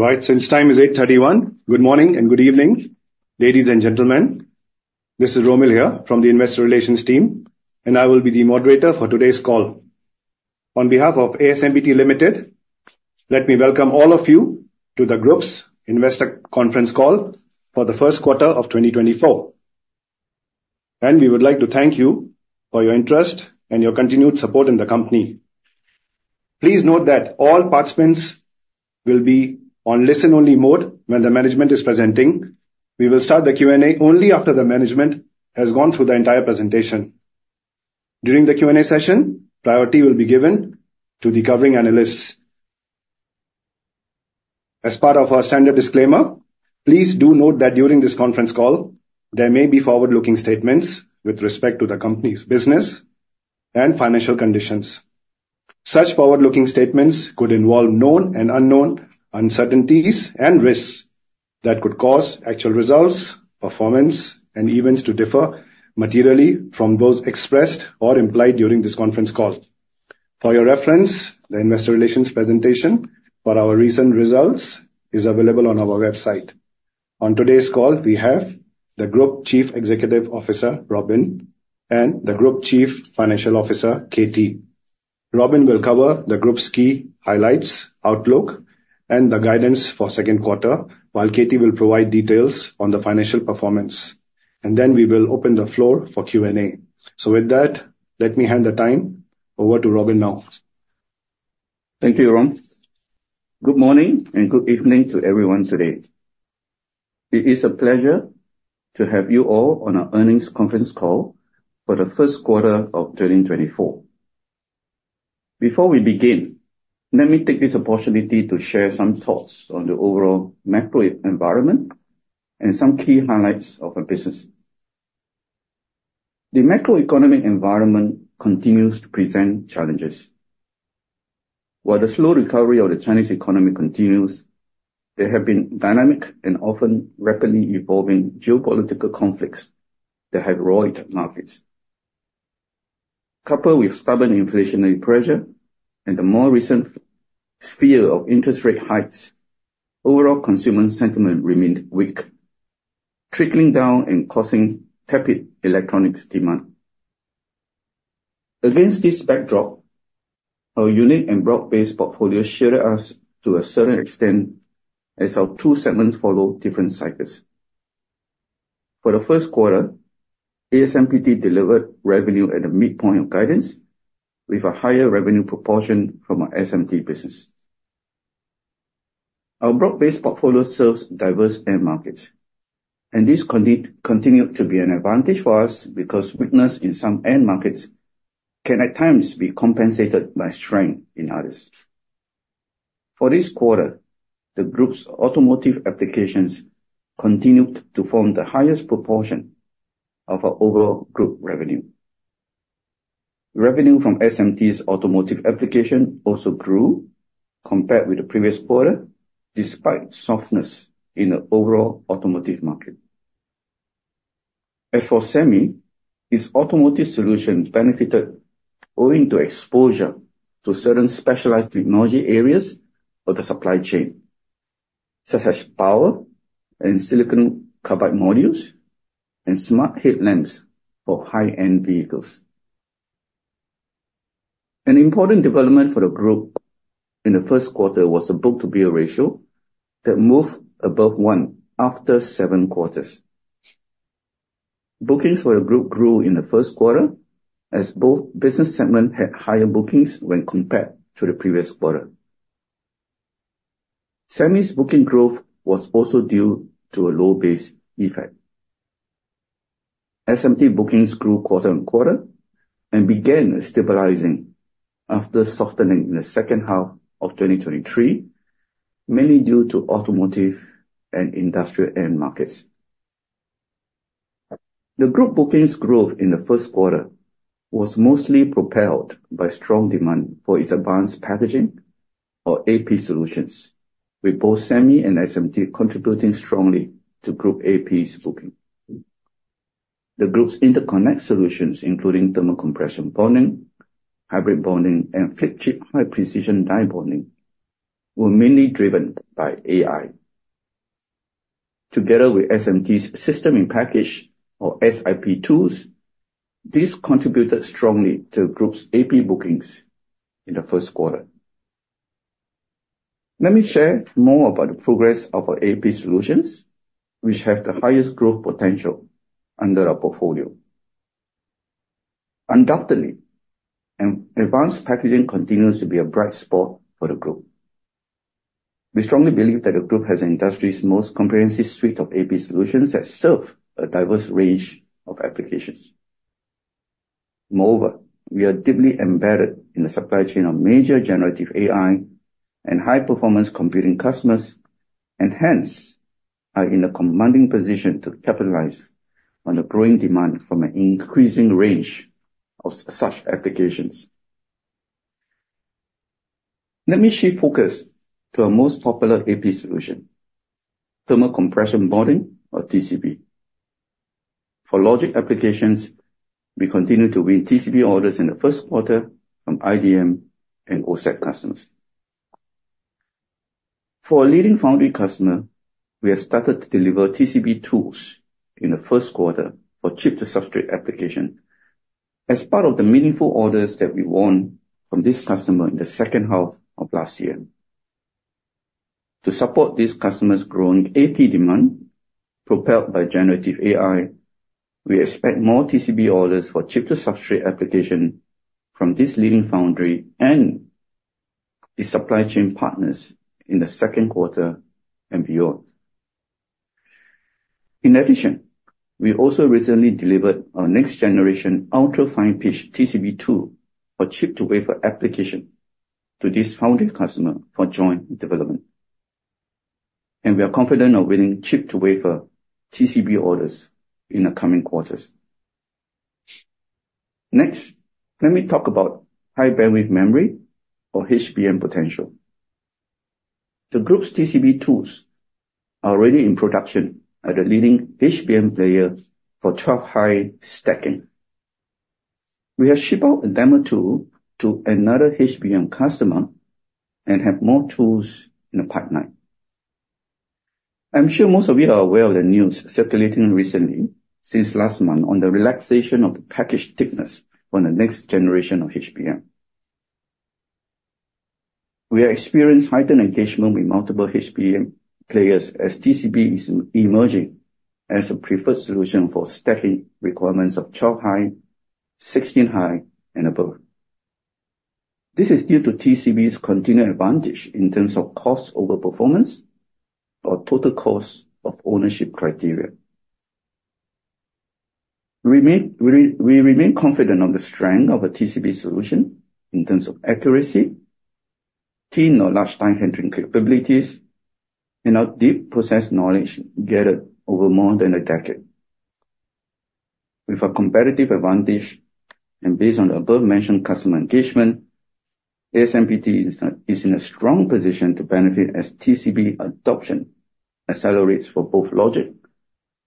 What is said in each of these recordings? Right, since time is 8:31 A.M., good morning and good evening, ladies and gentlemen. This is Rommel here from the Investor Relations team, and I will be the moderator for today's call. On behalf of ASMPT Limited, let me welcome all of you to the Group's Investor Conference call for the first quarter of 2024, and we would like to thank you for your interest and your continued support in the company. Please note that all participants will be on listen-only mode when the management is presenting. We will start the Q&A only after the management has gone through the entire presentation. During the Q&A session, priority will be given to the covering analysts. As part of our standard disclaimer, please do note that during this conference call there may be forward-looking statements with respect to the company's business and financial conditions. Such forward-looking statements could involve known and unknown uncertainties and risks that could cause actual results, performance, and events to differ materially from those expressed or implied during this conference call. For your reference, the Investor Relations presentation for our recent results is available on our website. On today's call, we have the Group Chief Executive Officer, Robin, and the Group Chief Financial Officer, Katie. Robin will cover the group's key highlights, outlook, and the guidance for second quarter, while Katie will provide details on the financial performance, and then we will open the floor for Q&A. With that, let me hand the time over to Robin now. Thank you, Rom. Good morning and good evening to everyone today. It is a pleasure to have you all on our earnings conference call for the first quarter of 2024. Before we begin, let me take this opportunity to share some thoughts on the overall macro environment and some key highlights of our business. The macroeconomic environment continues to present challenges. While the slow recovery of the Chinese economy continues, there have been dynamic and often rapidly evolving geopolitical conflicts that have roiled markets. Coupled with stubborn inflationary pressure and the more recent fear of interest rate hikes, overall consumer sentiment remained weak, trickling down and causing tepid electronics demand. Against this backdrop, our unique and broad-based portfolio shielded us to a certain extent as our two segments followed different cycles. For the first quarter, ASMPT delivered revenue at the midpoint of guidance, with a higher revenue proportion from our SMT business. Our broad-based portfolio serves diverse end markets, and this continued to be an advantage for us because weakness in some end markets can at times be compensated by strength in others. For this quarter, the group's automotive applications continued to form the highest proportion of our overall group revenue. Revenue from SMT's automotive application also grew compared with the previous quarter, despite softness in the overall automotive market. As for SEMI, its automotive solution benefited owing to exposure to certain specialized technology areas of the supply chain, such as power and silicon carbide modules and smart headlamps for high-end vehicles. An important development for the group in the first quarter was the book-to-bill ratio that moved above 1 after seven quarters. Bookings for the group grew in the first quarter as both business segments had higher bookings when compared to the previous quarter. SEMI's booking growth was also due to a low base effect. SMT bookings grew quarter-on-quarter and began stabilizing after softening in the second half of 2023, mainly due to automotive and industrial end markets. The group bookings growth in the first quarter was mostly propelled by strong demand for its advanced packaging, or AP solutions, with both SEMI and SMT contributing strongly to group AP's booking. The group's interconnect solutions, including thermocompression bonding, hybrid bonding, and flip-chip high-precision die bonding, were mainly driven by AI. Together with SMT's system in package, or SIP tools, these contributed strongly to the group's AP bookings in the first quarter. Let me share more about the progress of our AP solutions, which have the highest growth potential under our portfolio. Undoubtedly, advanced packaging continues to be a bright spot for the group. We strongly believe that the group has the industry's most comprehensive suite of AP solutions that serve a diverse range of applications. Moreover, we are deeply embedded in the supply chain of major generative AI and high-performance computing customers and, hence, are in a commanding position to capitalize on the growing demand from an increasing range of such applications. Let me shift focus to our most popular AP solution, thermal compression bonding, or TCB. For logic applications, we continue to win TCB orders in the first quarter from IDM and OSAT customers. For a leading foundry customer, we have started to deliver TCB tools in the first quarter for chip-to-substrate application as part of the meaningful orders that we won from this customer in the second half of last year. To support this customer's growing AP demand propelled by generative AI, we expect more TCB orders for chip-to-substrate application from this leading foundry and its supply chain partners in the second quarter and beyond. In addition, we also recently delivered our next-generation ultra-fine-pitched TCB tool for chip-to-wafer application to this foundry customer for joint development, and we are confident of winning chip-to-wafer TCB orders in the coming quarters. Next, let me talk about High-Bandwidth Memory, or HBM, potential. The group's TCB tools are already in production at the leading HBM player for 12-high stacking. We have shipped out a demo tool to another HBM customer and have more tools in the pipeline. I'm sure most of you are aware of the news circulating recently, since last month, on the relaxation of the package thickness for the next generation of HBM. We have experienced heightened engagement with multiple HBM players as TCB is emerging as a preferred solution for stacking requirements of 12-high, 16-high, and above. This is due to TCB's continued advantage in terms of cost over performance, or total cost of ownership criteria. We remain confident of the strength of a TCB solution in terms of accuracy, thin die or large die-handling capabilities, and our deep process knowledge gathered over more than a decade. With our competitive advantage and based on the above-mentioned customer engagement, ASMPT is in a strong position to benefit as TCB adoption accelerates for both logic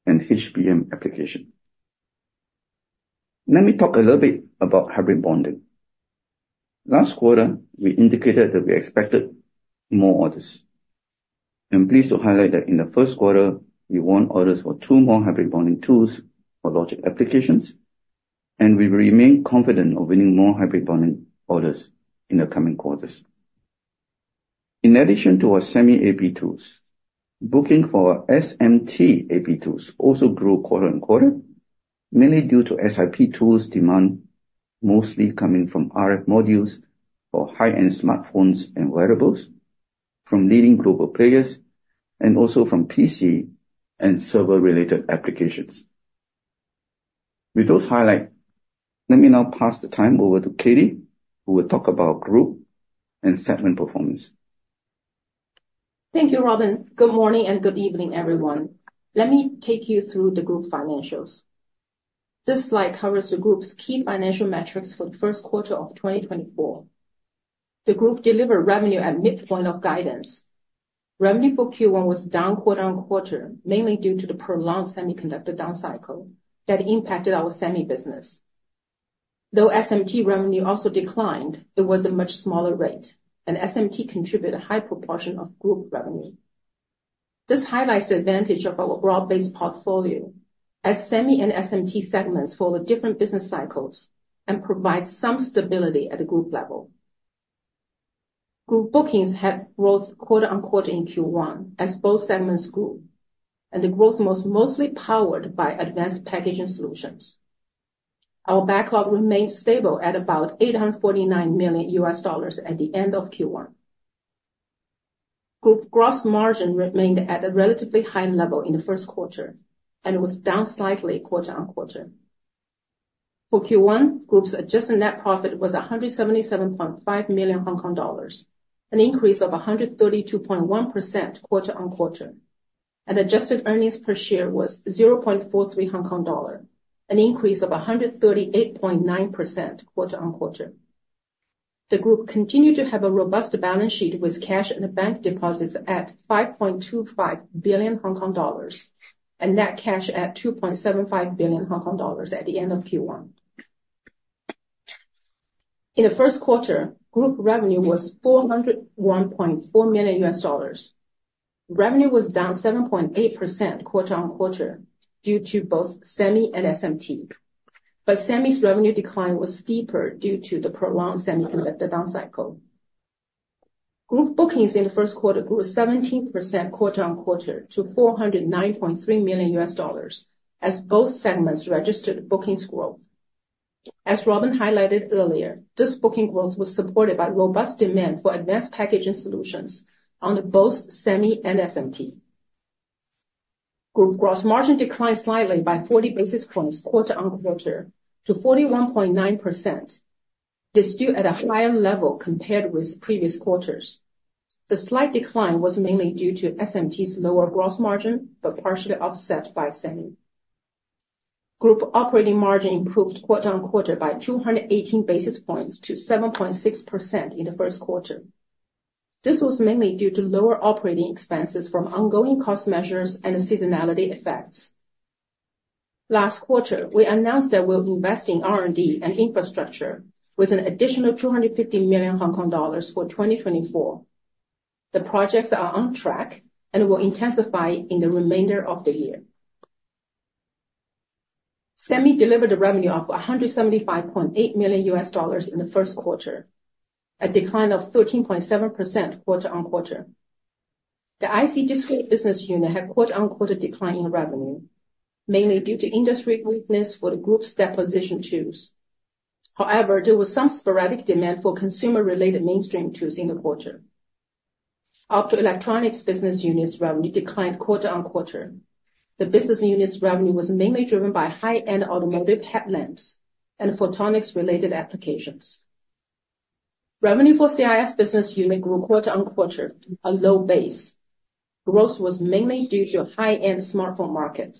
and HBM application. Let me talk a little bit about hybrid bonding. Last quarter, we indicated that we expected more orders. I'm pleased to highlight that in the first quarter, we won orders for two more hybrid bonding tools for logic applications, and we remain confident of winning more hybrid bonding orders in the coming quarters. In addition to our SEMI AP tools, booking for our SMT AP tools also grew quarter-over-quarter, mainly due to SIP tools demand mostly coming from RF modules for high-end smartphones and wearables, from leading global players, and also from PC and server-related applications. With those highlights, let me now pass the time over to Katie, who will talk about group and segment performance. Thank you, Robin. Good morning and good evening, everyone. Let me take you through the group financials. This slide covers the group's key financial metrics for the first quarter of 2024. The group delivered revenue at midpoint of guidance. Revenue for Q1 was down quarter-on-quarter, mainly due to the prolonged semiconductor downcycle that impacted our SEMI business. Though SMT revenue also declined, it was a much smaller rate, and SMT contributed a high proportion of group revenue. This highlights the advantage of our broad-based portfolio, as SEMI and SMT segments follow different business cycles and provide some stability at the group level. Group bookings had growth quarter-on-quarter in Q1 as both segments grew, and the growth was mostly powered by advanced packaging solutions. Our backlog remained stable at about $849 million at the end of Q1. Group gross margin remained at a relatively high level in the first quarter and was down slightly quarter on quarter. For Q1, group's adjusted net profit was 177.5 million Hong Kong dollars, an increase of 132.1% quarter on quarter, and adjusted earnings per share was 0.43 Hong Kong dollar, an increase of 138.9% quarter on quarter. The group continued to have a robust balance sheet with cash and bank deposits at 5.25 billion Hong Kong dollars and net cash at 2.75 billion Hong Kong dollars at the end of Q1. In the first quarter, group revenue was $401.4 million. Revenue was down 7.8% quarter on quarter due to both SEMI and SMT, but SEMI's revenue decline was steeper due to the prolonged semiconductor downcycle. Group bookings in the first quarter grew 17% quarter on quarter to $409.3 million as both segments registered bookings growth. As Robin highlighted earlier, this booking growth was supported by robust demand for advanced packaging solutions on both SEMI and SMT. Group gross margin declined slightly by 40 basis points quarter-over-quarter to 41.9%. This is still at a higher level compared with previous quarters. The slight decline was mainly due to SMT's lower gross margin but partially offset by SEMI. Group operating margin improved quarter-over-quarter by 218 basis points to 7.6% in the first quarter. This was mainly due to lower operating expenses from ongoing cost measures and seasonality effects. Last quarter, we announced that we'll invest in R&D and infrastructure with an additional 250 million Hong Kong dollars for 2024. The projects are on track and will intensify in the remainder of the year. SEMI delivered revenue of $175.8 million in the first quarter, a decline of 13.7% quarter-over-quarter. The IC Disctrete Business Unit had quarter-on-quarter decline in revenue, mainly due to industry weakness for the group's deposition tools. However, there was some sporadic demand for consumer-related mainstream tools in the quarter. Optoelectronics Business Unit's revenue declined quarter-on-quarter. The business unit's revenue was mainly driven by high-end automotive headlamps and photonics-related applications. Revenue for CIS Business Unit grew quarter-on-quarter to a low base. Growth was mainly due to a high-end smartphone market.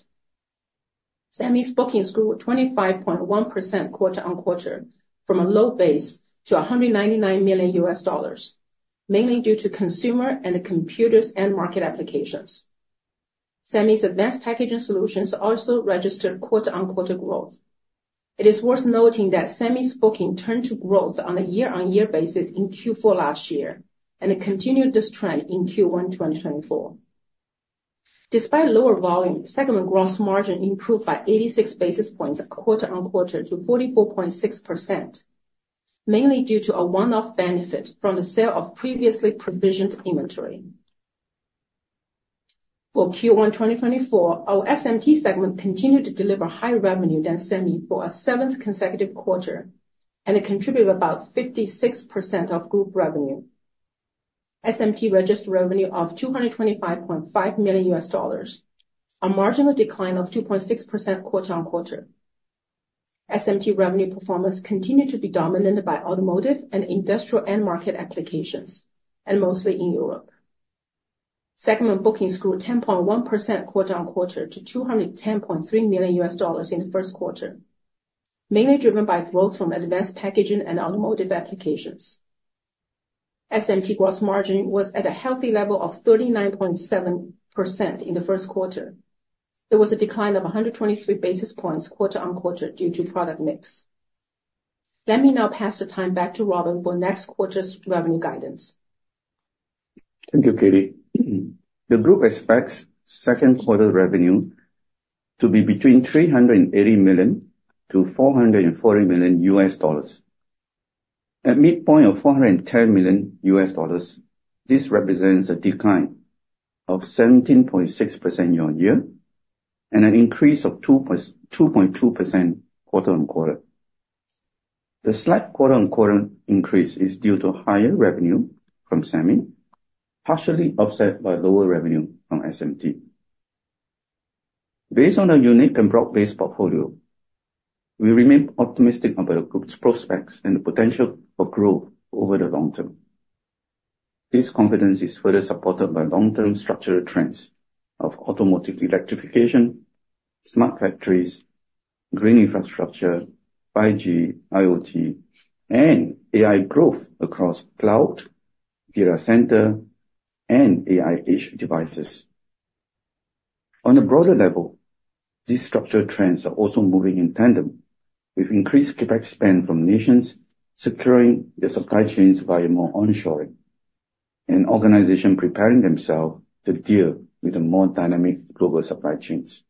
SEMI's bookings grew 25.1% quarter-on-quarter from a low base to $199 million, mainly due to consumer and computers-end market applications. SEMI's advanced packaging solutions also registered quarter-on-quarter growth. It is worth noting that SEMI's booking turned to growth on a year-on-year basis in Q4 last year and continued this trend in Q1 2024. Despite lower volume, segment gross margin improved by 86 basis points quarter-over-quarter to 44.6%, mainly due to a one-off benefit from the sale of previously provisioned inventory. For Q1 2024, our SMT segment continued to deliver higher revenue than SEMI for a seventh consecutive quarter and contributed about 56% of group revenue. SMT registered revenue of $225.5 million, a marginal decline of 2.6% quarter-over-quarter. SMT revenue performance continued to be dominant by automotive and industrial-end market applications, and mostly in Europe. Segment bookings grew 10.1% quarter-over-quarter to $210.3 million in the first quarter, mainly driven by growth from advanced packaging and automotive applications. SMT gross margin was at a healthy level of 39.7% in the first quarter. There was a decline of 123 basis points quarter-over-quarter due to product mix. Let me now pass the time back to Robin for next quarter's revenue guidance. Thank you, Katie. The group expects second quarter revenue to be between $380 million-$440 million. At midpoint of $410 million, this represents a decline of 17.6% year-on-year and an increase of 2.2% quarter-on-quarter. The slight quarter-on-quarter increase is due to higher revenue from SEMI, partially offset by lower revenue from SMT. Based on our unique and broad-based portfolio, we remain optimistic about the group's prospects and the potential for growth over the long term. This confidence is further supported by long-term structural trends of automotive electrification, smart factories, green infrastructure, 5G, IoT, and AI growth across cloud, data center, and AI edge devices. On a broader level, these structural trends are also moving in tandem with increased CapEx spend from nations securing their supply chains via more onshoring and organizations preparing themselves to deal with the more dynamic global supply chains.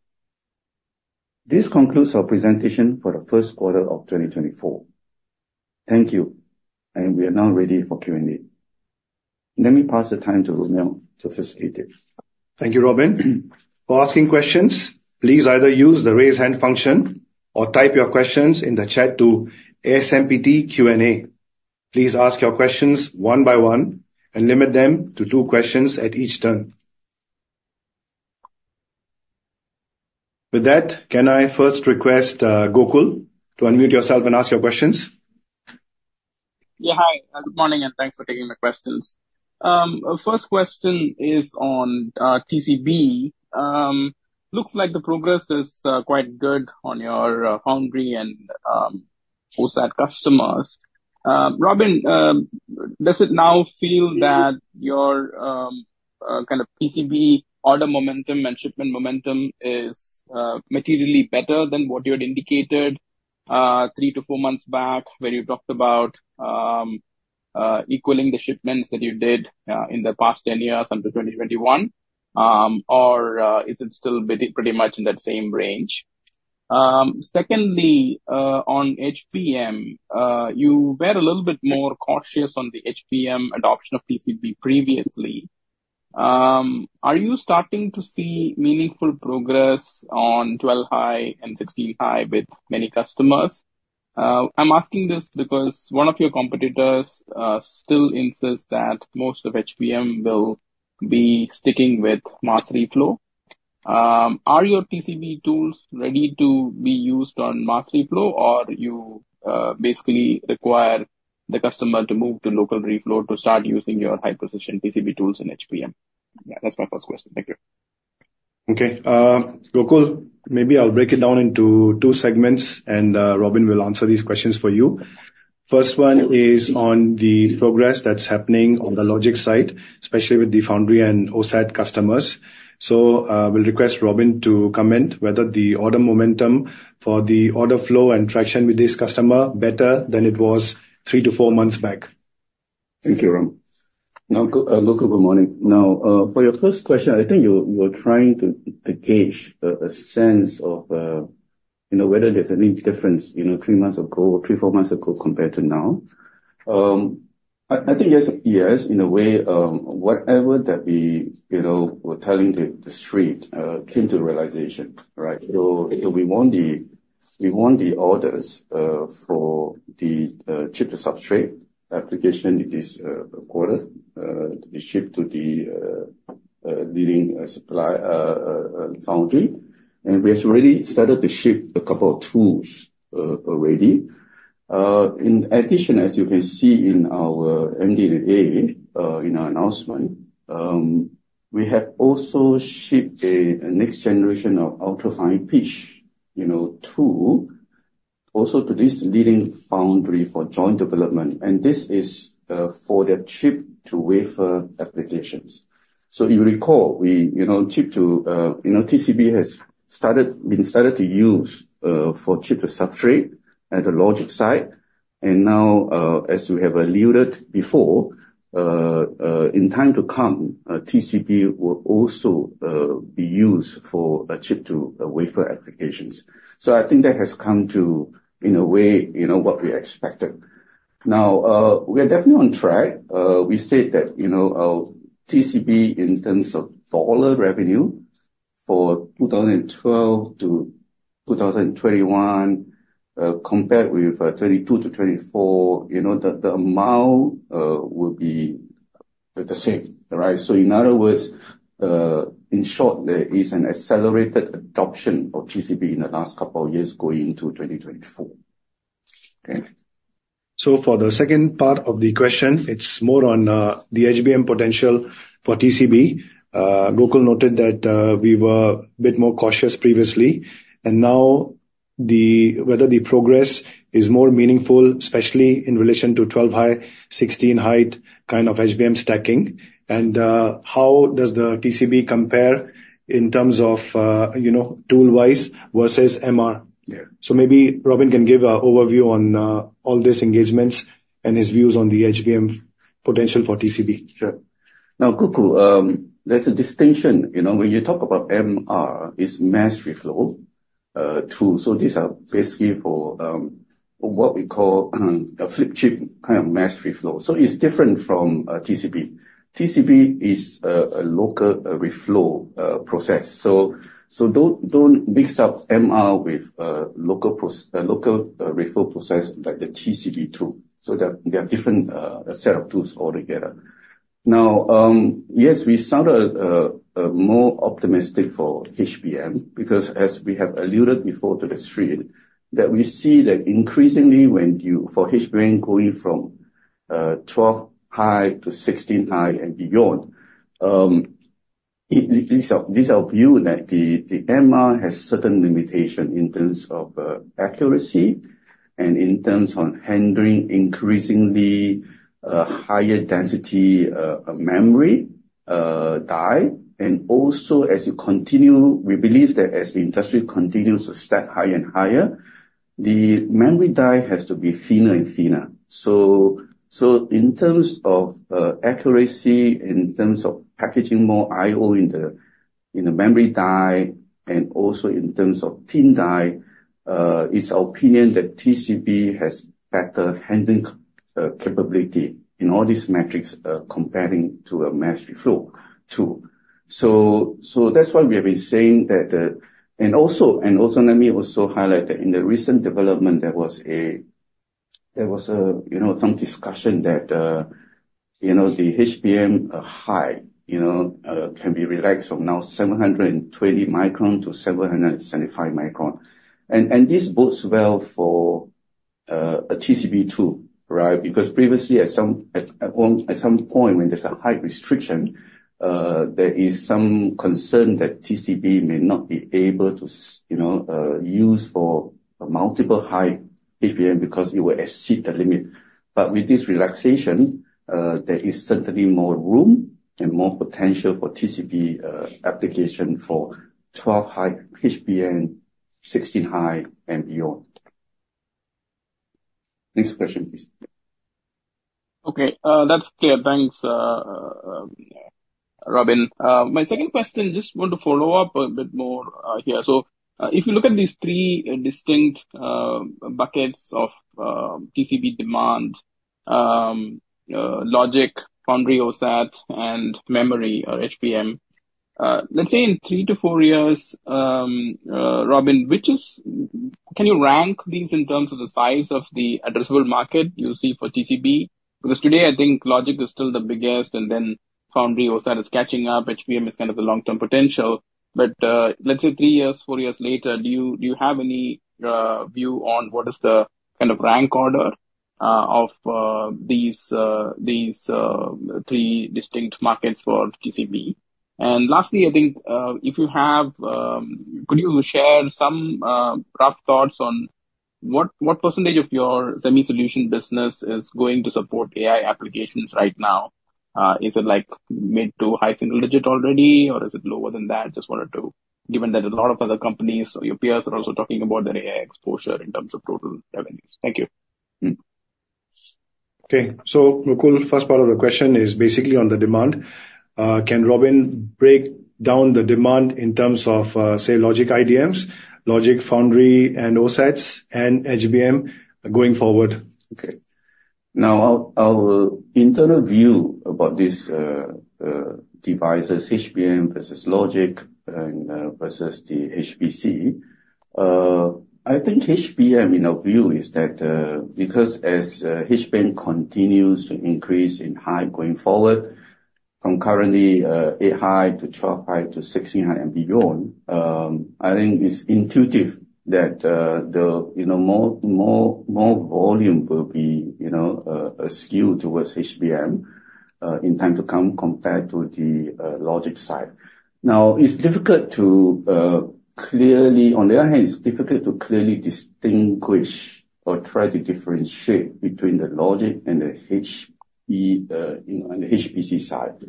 This concludes our presentation for the first quarter of 2024. Thank you, and we are now ready for Q&A. Let me pass the time to Rommel to facilitate it. Thank you, Robin. For asking questions, please either use the raise hand function or type your questions in the chat to ASMPT Q&A. Please ask your questions one by one and limit them to two questions at each turn. With that, can I first request Gokul to unmute yourself and ask your questions? Yeah, hi. Good morning, and thanks for taking my questions. First question is on TCB. Looks like the progress is quite good on your foundry and OSAT customers. Robin, does it now feel that your kind of TCB order momentum and shipment momentum is materially better than what you had indicated 3-4 months back when you talked about equaling the shipments that you did in the past 10 years until 2021, or is it still pretty much in that same range? Secondly, on HBM, you were a little bit more cautious on the HBM adoption of TCB previously. Are you starting to see meaningful progress on 12-high and 16-high with many customers? I'm asking this because one of your competitors still insists that most of HBM will be sticking with mass reflow. Are your TCB tools ready to be used on mass reflow, or do you basically require the customer to move to local reflow to start using your high precision TCB tools in HBM? Yeah, that's my first question. Thank you. Okay. Gokul, maybe I'll break it down into two segments, and Robin will answer these questions for you. First one is on the progress that's happening on the logic side, especially with the foundry and OSAT customers. So we'll request Robin to comment whether the order momentum for the order flow and traction with this customer is better than it was 3-4 months back. Thank you, Robin. Gokul, good morning. Now, for your first question, I think you were trying to gauge a sense of whether there's any difference 3 months ago or 3 or 4 months ago compared to now. I think yes, in a way, whatever that we were telling the street came to realization, right? So we want the orders for the chip to substrate application in this quarter to be shipped to the leading foundry. And we have already started to ship a couple of tools already. In addition, as you can see in our MD&A announcement, we have also shipped a next generation of UltraFine Pitch tool also to this leading foundry for joint development. And this is for the chip to wafer applications. So if you recall, chip to TCB has been started to use for chip to substrate at the logic side. And now, as we have alluded before, in time to come, TCB will also be used for chip to wafer applications. So I think that has come to, in a way, what we expected. Now, we are definitely on track. We said that TCB, in terms of dollar revenue for 2012 to 2021 compared with 2022 to 2024, the amount will be the same, right? So in other words, in short, there is an accelerated adoption of TCB in the last couple of years going into 2024. Okay. For the second part of the question, it's more on the HBM potential for TCB. Gokul noted that we were a bit more cautious previously. Now, whether the progress is more meaningful, especially in relation to 12-high, 16-high kind of HBM stacking, and how does the TCB compare in terms of tool-wise versus MR? Maybe Robin can give an overview on all these engagements and his views on the HBM potential for TCB. Sure. Now, Gokul, there's a distinction. When you talk about MR, it's mass reflow tool. So these are basically for what we call a Flip-Chip kind of mass reflow. So it's different from TCB. TCB is a local reflow process. So don't mix up MR with a local reflow process like the TCB tool. So they are a different set of tools altogether. Now, yes, we sounded more optimistic for HBM because, as we have alluded before to the street, that we see that increasingly, for HBM going from 12-high to 16-high and beyond, these are viewed that the MR has certain limitations in terms of accuracy and in terms of handling increasingly higher density memory die. And also, as you continue, we believe that as the industry continues to stack higher and higher, the memory die has to be thinner and thinner. So in terms of accuracy, in terms of packaging more I/O in the memory die, and also in terms of thin die, it's our opinion that TCB has better handling capability in all these metrics comparing to a Mass Reflow tool. So that's why we have been saying that, and also, let me also highlight that, in the recent development, there was some discussion that the HBM height can be relaxed from 720 micron now to 775 micron. And this bodes well for a TCB tool, right? Because previously, at some point, when there's a height restriction, there is some concern that TCB may not be able to use for multiple height HBM because it will exceed the limit. But with this relaxation, there is certainly more room and more potential for TCB application for 12-high HBM, 16-high, and beyond. Next question, please. Okay. That's clear. Thanks, Robin. My second question, just want to follow up a bit more here. So if you look at these 3 distinct buckets of TCB demand, logic, foundry, OSAT, and memory or HBM, let's say in 3-4 years, Robin, can you rank these in terms of the size of the addressable market you see for TCB? Because today, I think logic is still the biggest, and then foundry, OSAT is catching up. HBM is kind of the long-term potential. But let's say 3 years, 4 years later, do you have any view on what is the kind of rank order of these 3 distinct markets for TCB? And lastly, I think if you have, could you share some rough thoughts on what percentage of your semi-solution business is going to support AI applications right now? Is it mid- to high-single-digit already, or is it lower than that? Just wanted to, given that a lot of other companies or your peers are also talking about their AI exposure in terms of total revenues. Thank you. Okay. So Gokul, the first part of the question is basically on the demand. Can Robin break down the demand in terms of, say, logic IDMs, logic foundry, and OSATs, and HBM going forward? Okay. Now, our internal view about these devices, HBM versus logic versus the HBM, I think HBM, in our view, is that because as HBM continues to increase in height going forward from currently 8-high to 12-high to 16-high and beyond, I think it's intuitive that more volume will be skewed towards HBM in time to come compared to the logic side. Now, it's difficult to clearly on the other hand, it's difficult to clearly distinguish or try to differentiate between the logic and the HBM side.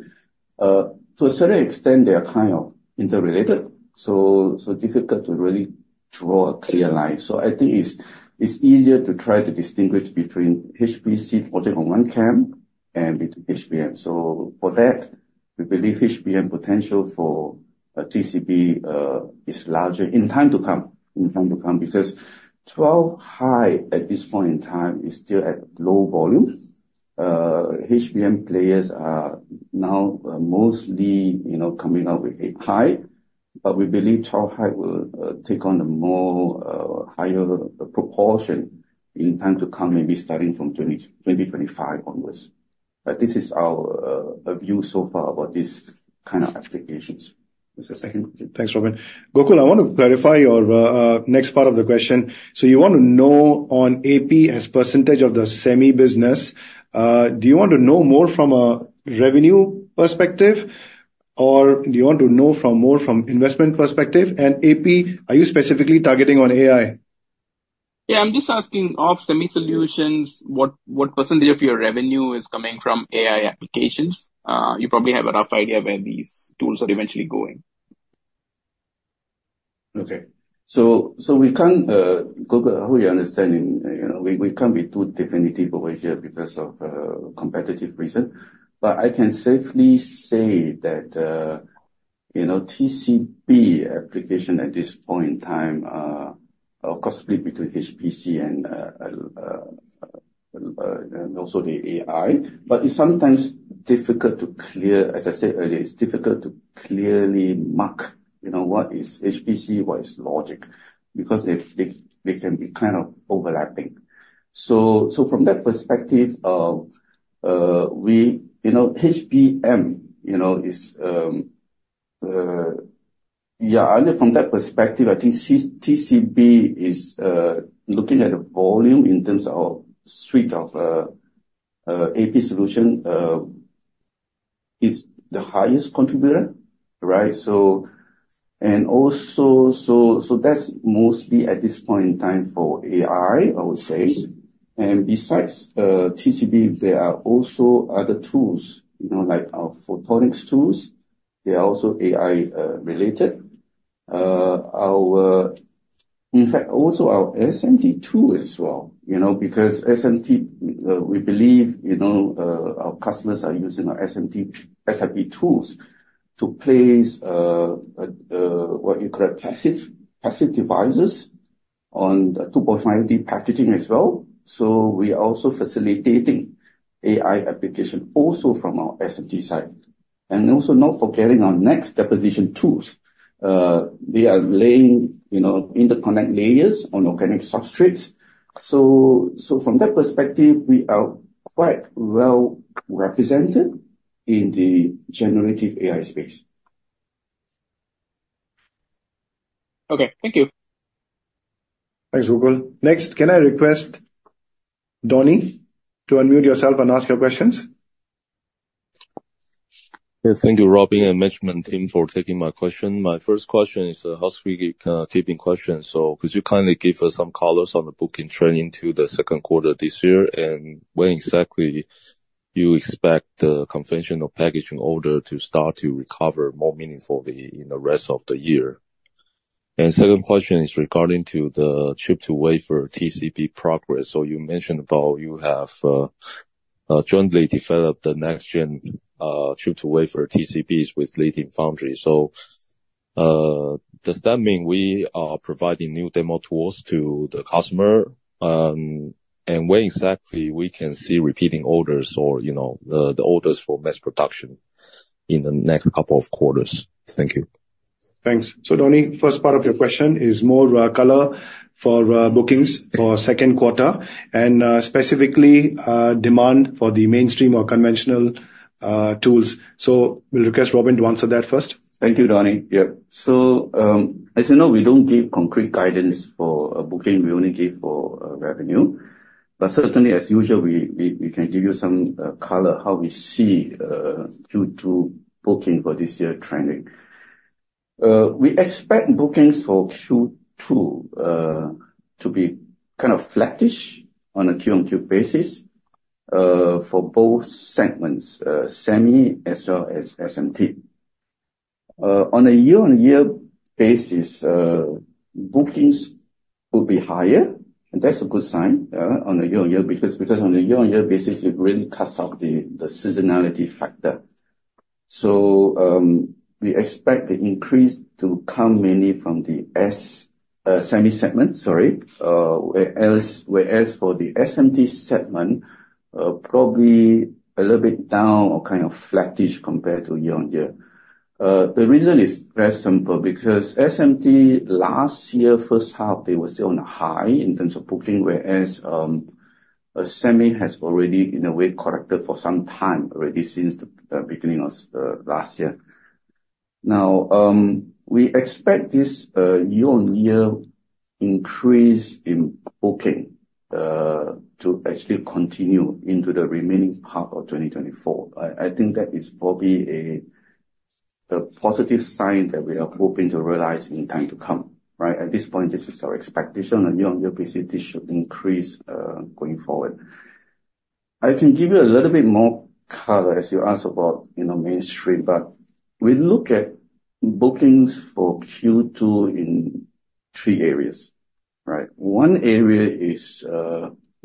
To a certain extent, they are kind of interrelated, so difficult to really draw a clear line. So I think it's easier to try to distinguish between HBM logic on one hand and between HBM. So for that, we believe HBM potential for TCB is larger in time to come in time to come because 12-high at this point in time is still at low volume. HBM players are now mostly coming up with 8-high, but we believe 12-high will take on a more higher proportion in time to come, maybe starting from 2025 onwards. But this is our view so far about these kind of applications. That's the second question. Thanks, Robin. Gokul, I want to clarify your next part of the question. So you want to know on AP as percentage of the semi-business. Do you want to know more from a revenue perspective, or do you want to know more from an investment perspective? And AP, are you specifically targeting on AI? Yeah, I'm just asking of Semiconductor solutions, what percentage of your revenue is coming from AI applications? You probably have a rough idea where these tools are eventually going. Okay. So Gokul, how are you understanding? We can't be too definitive over here because of competitive reasons. But I can safely say that TCB application at this point in time are possibly between HBM and also the AI. But it's sometimes difficult to clarify as I said earlier, it's difficult to clearly mark what is HBM, what is logic because they can be kind of overlapping. So from that perspective, HBM is yeah, only from that perspective, I think TCB is looking at the volume in terms of our suite of AP solution, it's the highest contributor, right? And also, so that's mostly at this point in time for AI, I would say. And besides TCB, there are also other tools like our photonics tools. They are also AI-related. In fact, also our SMT tool as well because SMT, we believe our customers are using our SMT SIP tools to place what you call passive devices on 2.5D packaging as well. So we are also facilitating AI application also from our SMT side. And also not forgetting our NEXX deposition tools. They are laying interconnect layers on organic substrates. So from that perspective, we are quite well represented in the generative AI space. Okay. Thank you. Thanks, Gokul. Next, can I request Donnie to unmute yourself and ask your questions? Yes. Thank you, Robin and management team for taking my question. My first question is a housekeeping question. Could you kindly give us some colors on the booking trend into the second quarter this year and when exactly you expect the conventional packaging order to start to recover more meaningfully in the rest of the year? Second question is regarding to the chip-to-wafer TCB progress. You mentioned about you have jointly developed the next-gen chip-to-wafer TCBs with leading foundry. Does that mean we are providing new demo tools to the customer? And when exactly we can see repeating orders or the orders for mass production in the next couple of quarters? Thank you. Thanks. So Donnie, first part of your question is more color for bookings for second quarter and specifically demand for the mainstream or conventional tools. So we'll request Robin to answer that first. Thank you, Donnie. Yeah. So as you know, we don't give concrete guidance for booking. We only give for revenue. But certainly, as usual, we can give you some color how we see Q2 booking for this year trending. We expect bookings for Q2 to be kind of flattish on a Q-on-Q basis for both segments, semi as well as SMT. On a year-on-year basis, bookings would be higher. And that's a good sign on a year-on-year because on a year-on-year basis, it really cuts out the seasonality factor. So we expect the increase to come mainly from the semi-segment, sorry, whereas for the SMT segment, probably a little bit down or kind of flattish compared to year-on-year. The reason is very simple because SMT last year, first half, they were still on a high in terms of booking, whereas semi has already, in a way, corrected for some time already since the beginning of last year. Now, we expect this year-on-year increase in booking to actually continue into the remaining part of 2024. I think that is probably a positive sign that we are hoping to realize in time to come, right? At this point, this is our expectation. A year-on-year basis, this should increase going forward. I can give you a little bit more color as you asked about mainstream, but we look at bookings for Q2 in three areas, right? One area is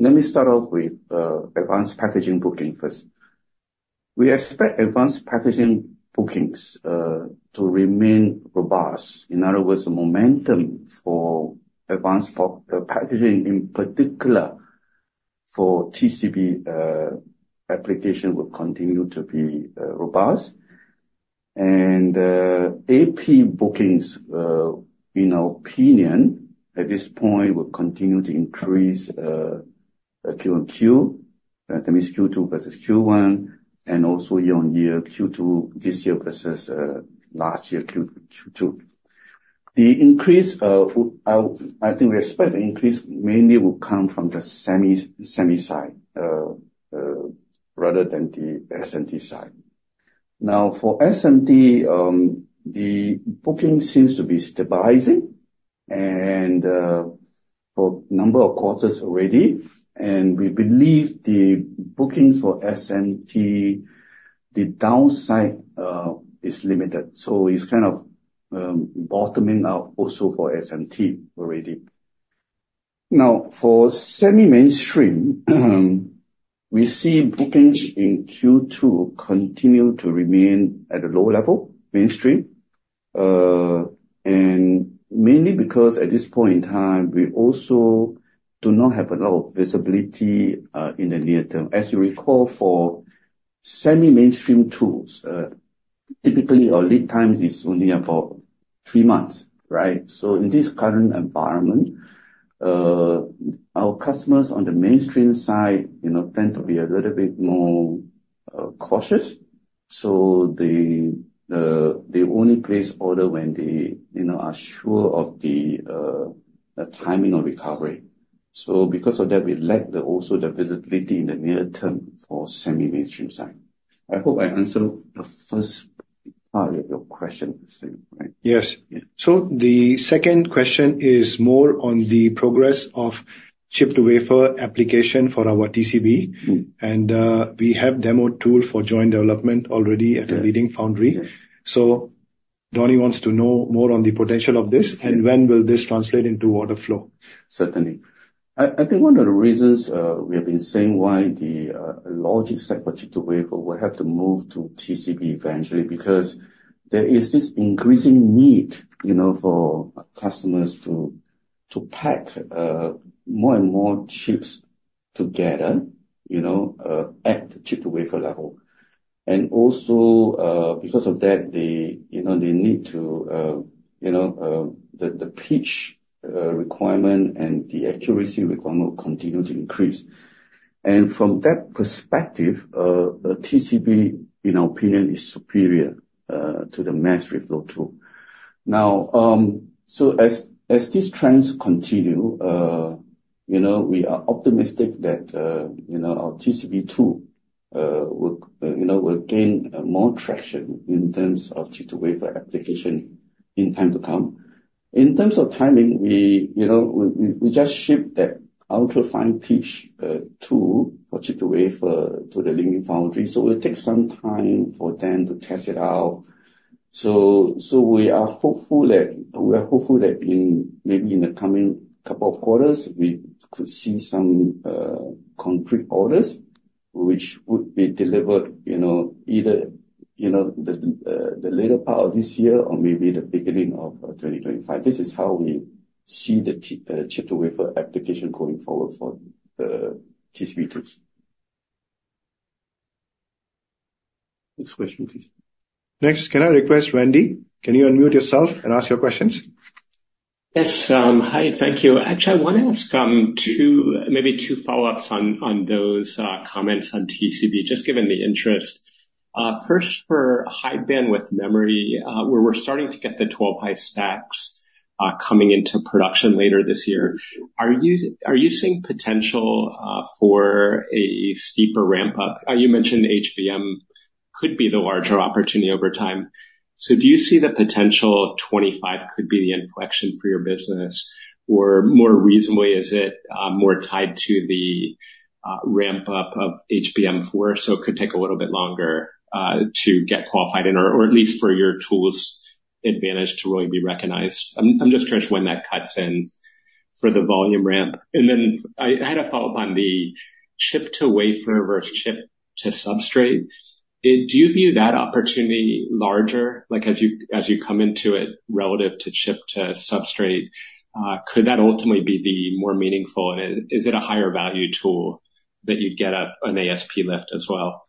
let me start off with Advanced Packaging booking first. We expect Advanced Packaging bookings to remain robust. In other words, momentum for advanced packaging, in particular for TCB application, will continue to be robust. AP bookings, in our opinion, at this point will continue to increase Q on Q, that means Q2 versus Q1, and also year-on-year, Q2 this year versus last year Q2. I think we expect the increase mainly will come from the semi side rather than the SMT side. Now, for SMT, the booking seems to be stabilizing for a number of quarters already. And we believe the bookings for SMT, the downside is limited. So it's kind of bottoming out also for SMT already. Now, for semi-mainstream, we see bookings in Q2 continue to remain at a low level, mainstream, and mainly because at this point in time, we also do not have a lot of visibility in the near term. As you recall, for semi-mainstream tools, typically, our lead times is only about three months, right? So in this current environment, our customers on the mainstream side tend to be a little bit more cautious. So they only place order when they are sure of the timing of recovery. So because of that, we lack also the visibility in the near term for semi-mainstream side. I hope I answered the first part of your question, I think, right? Yes. The second question is more on the progress of Chip-to-Wafer application for our TCB. We have demo tool for joint development already at the leading foundry. Donnie wants to know more on the potential of this, and when will this translate into wafer flow? Certainly. I think one of the reasons we have been saying why the logic sector chip to wafer will have to move to TCB eventually because there is this increasing need for customers to pack more and more chips together at the chip to wafer level. Also because of that, they need to the pitch requirement and the accuracy requirement will continue to increase. From that perspective, TCB, in our opinion, is superior to the mass reflow tool. Now, so as these trends continue, we are optimistic that our TCB tool will gain more traction in terms of chip to wafer application in time to come. In terms of timing, we just shipped that ultra-fine pitch tool for chip to wafer to the leading foundry. It will take some time for them to test it out. So we are hopeful that maybe in the coming couple of quarters, we could see some concrete orders which would be delivered either the later part of this year or maybe the beginning of 2025. This is how we see the chip to wafer application going forward for the TCB tools. Next question, please. Next, can I request Randy? Can you unmute yourself and ask your questions? Yes. Hi. Thank you. Actually, I want to ask maybe two follow-ups on those comments on TCB, just given the interest. First, for high-bandwidth memory, where we're starting to get the 12-high stacks coming into production later this year, are you seeing potential for a steeper ramp-up? You mentioned HBM could be the larger opportunity over time. So do you see the potential 25 could be the inflection for your business? Or more reasonably, is it more tied to the ramp-up of HBM4 so it could take a little bit longer to get qualified in, or at least for your tool's advantage to really be recognized? I'm just curious when that cuts in for the volume ramp. And then I had a follow-up on the chip to wafer versus chip to substrate. Do you view that opportunity larger as you come into it relative to chip to substrate? Could that ultimately be the more meaningful? And is it a higher value tool that you get an ASP lift as well?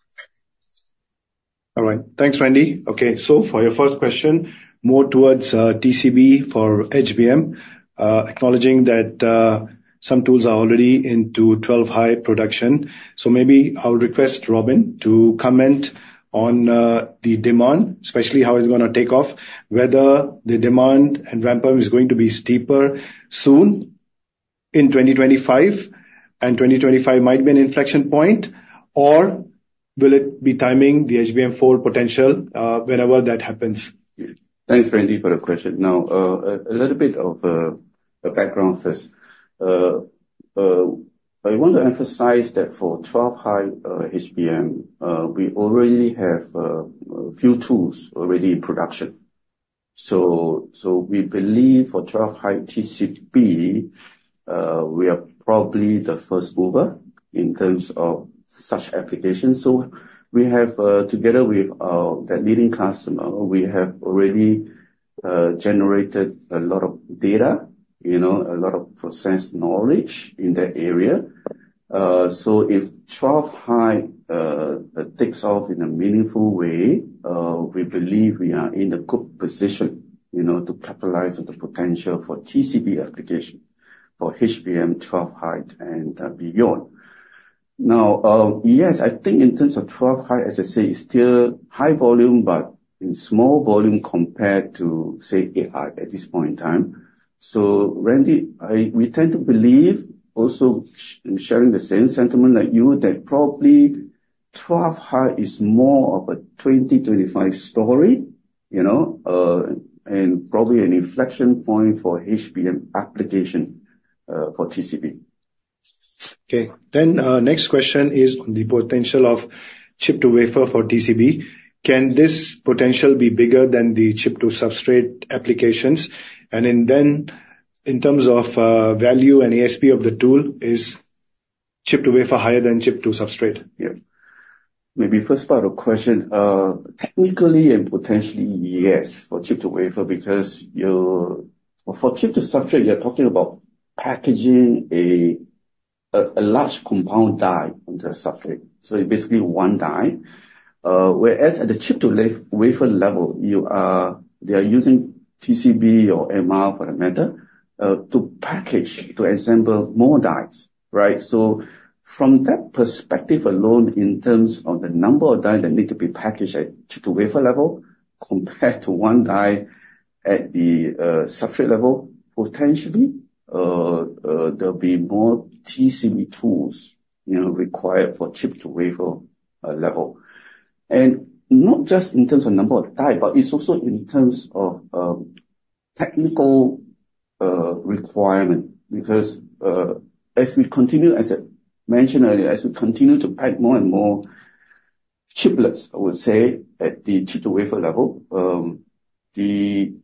All right. Thanks, Randy. Okay. So for your first question, more towards TCB for HBM, acknowledging that some tools are already into 12-high production. So maybe I'll request Robin to comment on the demand, especially how it's going to take off, whether the demand and ramp-up is going to be steeper soon in 2025, and 2025 might be an inflection point, or will it be timing the HBM4 potential whenever that happens? Thanks, Randy, for the question. Now, a little bit of a background first. I want to emphasize that for 12-high HBM, we already have a few tools already in production. So we believe for 12-high TCB, we are probably the first mover in terms of such applications. So together with that leading customer, we have already generated a lot of data, a lot of process knowledge in that area. So if 12-high takes off in a meaningful way, we believe we are in a good position to capitalize on the potential for TCB application for HBM 12-high and beyond. Now, yes, I think in terms of 12-high, as I say, it's still high volume, but in small volume compared to, say, AI at this point in time. So, Randy, we tend to believe, also sharing the same sentiment like you, that probably 12-high is more of a 2025 story and probably an inflection point for HBM application for TCB. Okay. Then next question is on the potential of chip to wafer for TCB. Can this potential be bigger than the chip to substrate applications? And then in terms of value and ASP of the tool, is chip to wafer higher than chip to substrate? Yeah. Maybe first part of the question. Technically and potentially, yes, for chip to wafer because for chip to substrate, you're talking about packaging a large compound die on the substrate. So it's basically one die. Whereas at the chip to wafer level, they are using TCB or MR for that matter to package, to assemble more dies, right? So from that perspective alone, in terms of the number of dies that need to be packaged at chip to wafer level compared to one die at the substrate level, potentially, there'll be more TCB tools required for chip to wafer level. And not just in terms of number of die, but it's also in terms of technical requirement because as we continue, as I mentioned earlier, as we continue to pack more and more chiplets, I would say, at the chip to wafer level, the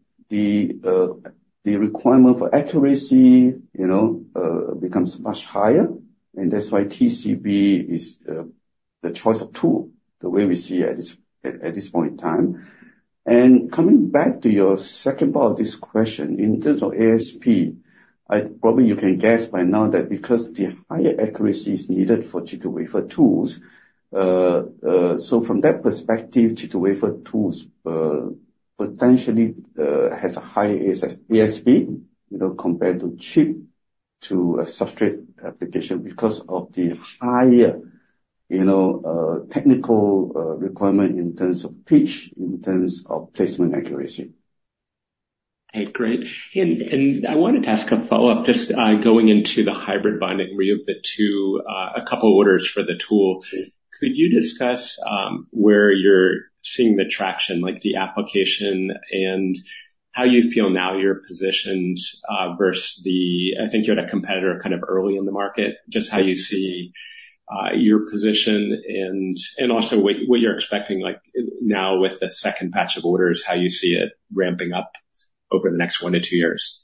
requirement for accuracy becomes much higher. And that's why TCB is the choice of tool the way we see it at this point in time. And coming back to your second part of this question, in terms of ASP, probably you can guess by now that because the higher accuracy is needed for chip to wafer tools, so from that perspective, chip to wafer tools potentially has a higher ASP compared to chip to a substrate application because of the higher technical requirement in terms of pitch, in terms of placement accuracy. Hey, great. I wanted to ask a follow-up just going into the hybrid bonding. We have a couple of orders for the tool. Could you discuss where you're seeing the traction, the application, and how you feel now you're positioned versus the I think you had a competitor kind of early in the market, just how you see your position and also what you're expecting now with the second batch of orders, how you see it ramping up over the next 1-2 years?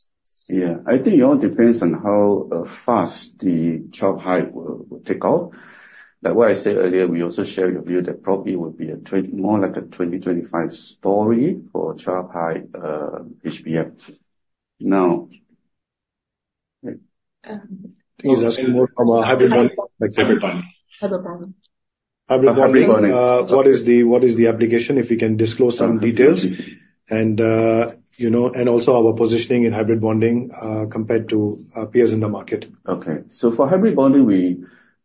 Yeah. I think it all depends on how fast the 12-high will take off. Like what I said earlier, we also share your view that probably it would be more like a 2025 story for 12-high HBM. Now. Can you ask more from a Hybrid Bonding perspective? Hybrid bonding. Hybrid bonding. Hybrid Bonding. What is the application, if you can disclose some details, and also our positioning in Hybrid Bonding compared to peers in the market? Okay. For hybrid bonding,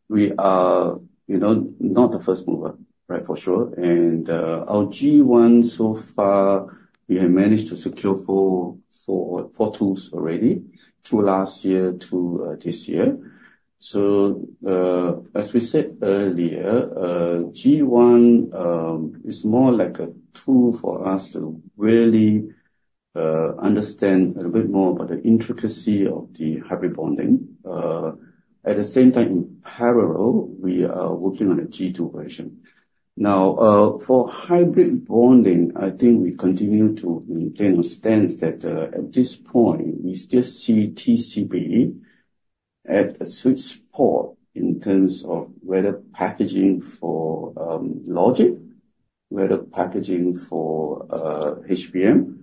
we are not the first mover, right, for sure. Our G1 so far, we have managed to secure 4 tools already, 2 last year, 2 this year. As we said earlier, G1 is more like a tool for us to really understand a little bit more about the intricacy of the hybrid bonding. At the same time, in parallel, we are working on a G2 version. Now, for hybrid bonding, I think we continue to maintain our stance that at this point, we still see TCB at a sweet spot in terms of whether packaging for logic, whether packaging for HBM,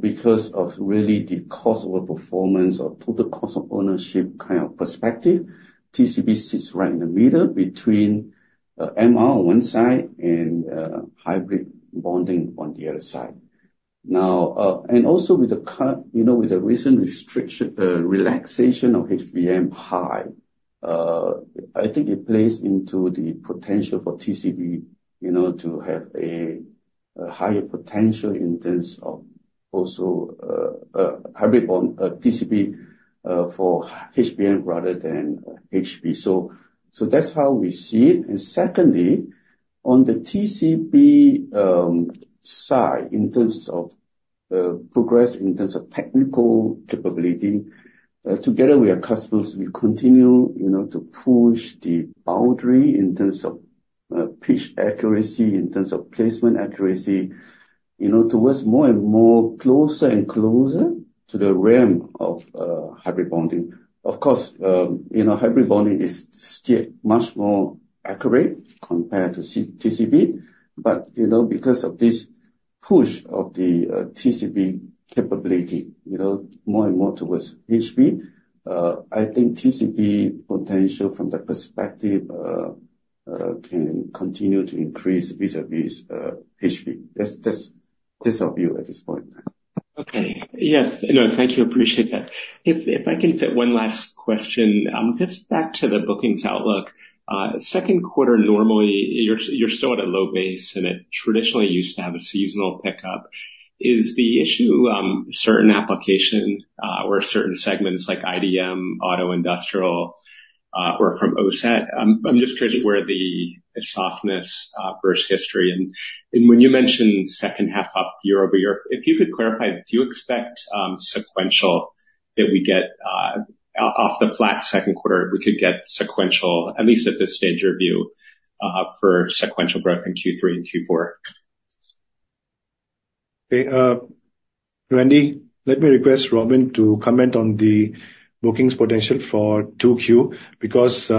because of really the cost of performance or total cost of ownership kind of perspective, TCB sits right in the middle between MR on one side and hybrid bonding on the other side. And also with the recent relaxation of HBM height, I think it plays into the potential for TCB to have a higher potential in terms of also TCB for HBM rather than HB. So that's how we see it. And secondly, on the TCB side in terms of progress, in terms of technical capability, together with our customers, we continue to push the boundary in terms of pitch accuracy, in terms of placement accuracy towards more and more closer and closer to the realm of hybrid bonding. Of course, hybrid bonding is still much more accurate compared to TCB. But because of this push of the TCB capability more and more towards HB, I think TCB potential from that perspective can continue to increase vis-à-vis HB. That's our view at this point in time. Okay. Yes. No, thank you. Appreciate that. If I can fit one last question, fits back to the bookings outlook. Second quarter, normally, you're still at a low base, and it traditionally used to have a seasonal pickup. Is the issue certain applications or certain segments like IDM, auto industrial, or from OSAT? I'm just curious where the softness versus history. And when you mentioned second half up year over year, if you could clarify, do you expect sequential that we get off the flat second quarter, we could get sequential, at least at this stage of your view, for sequential growth in Q3 and Q4? Randy, let me request Robin to comment on the bookings potential for 2Q because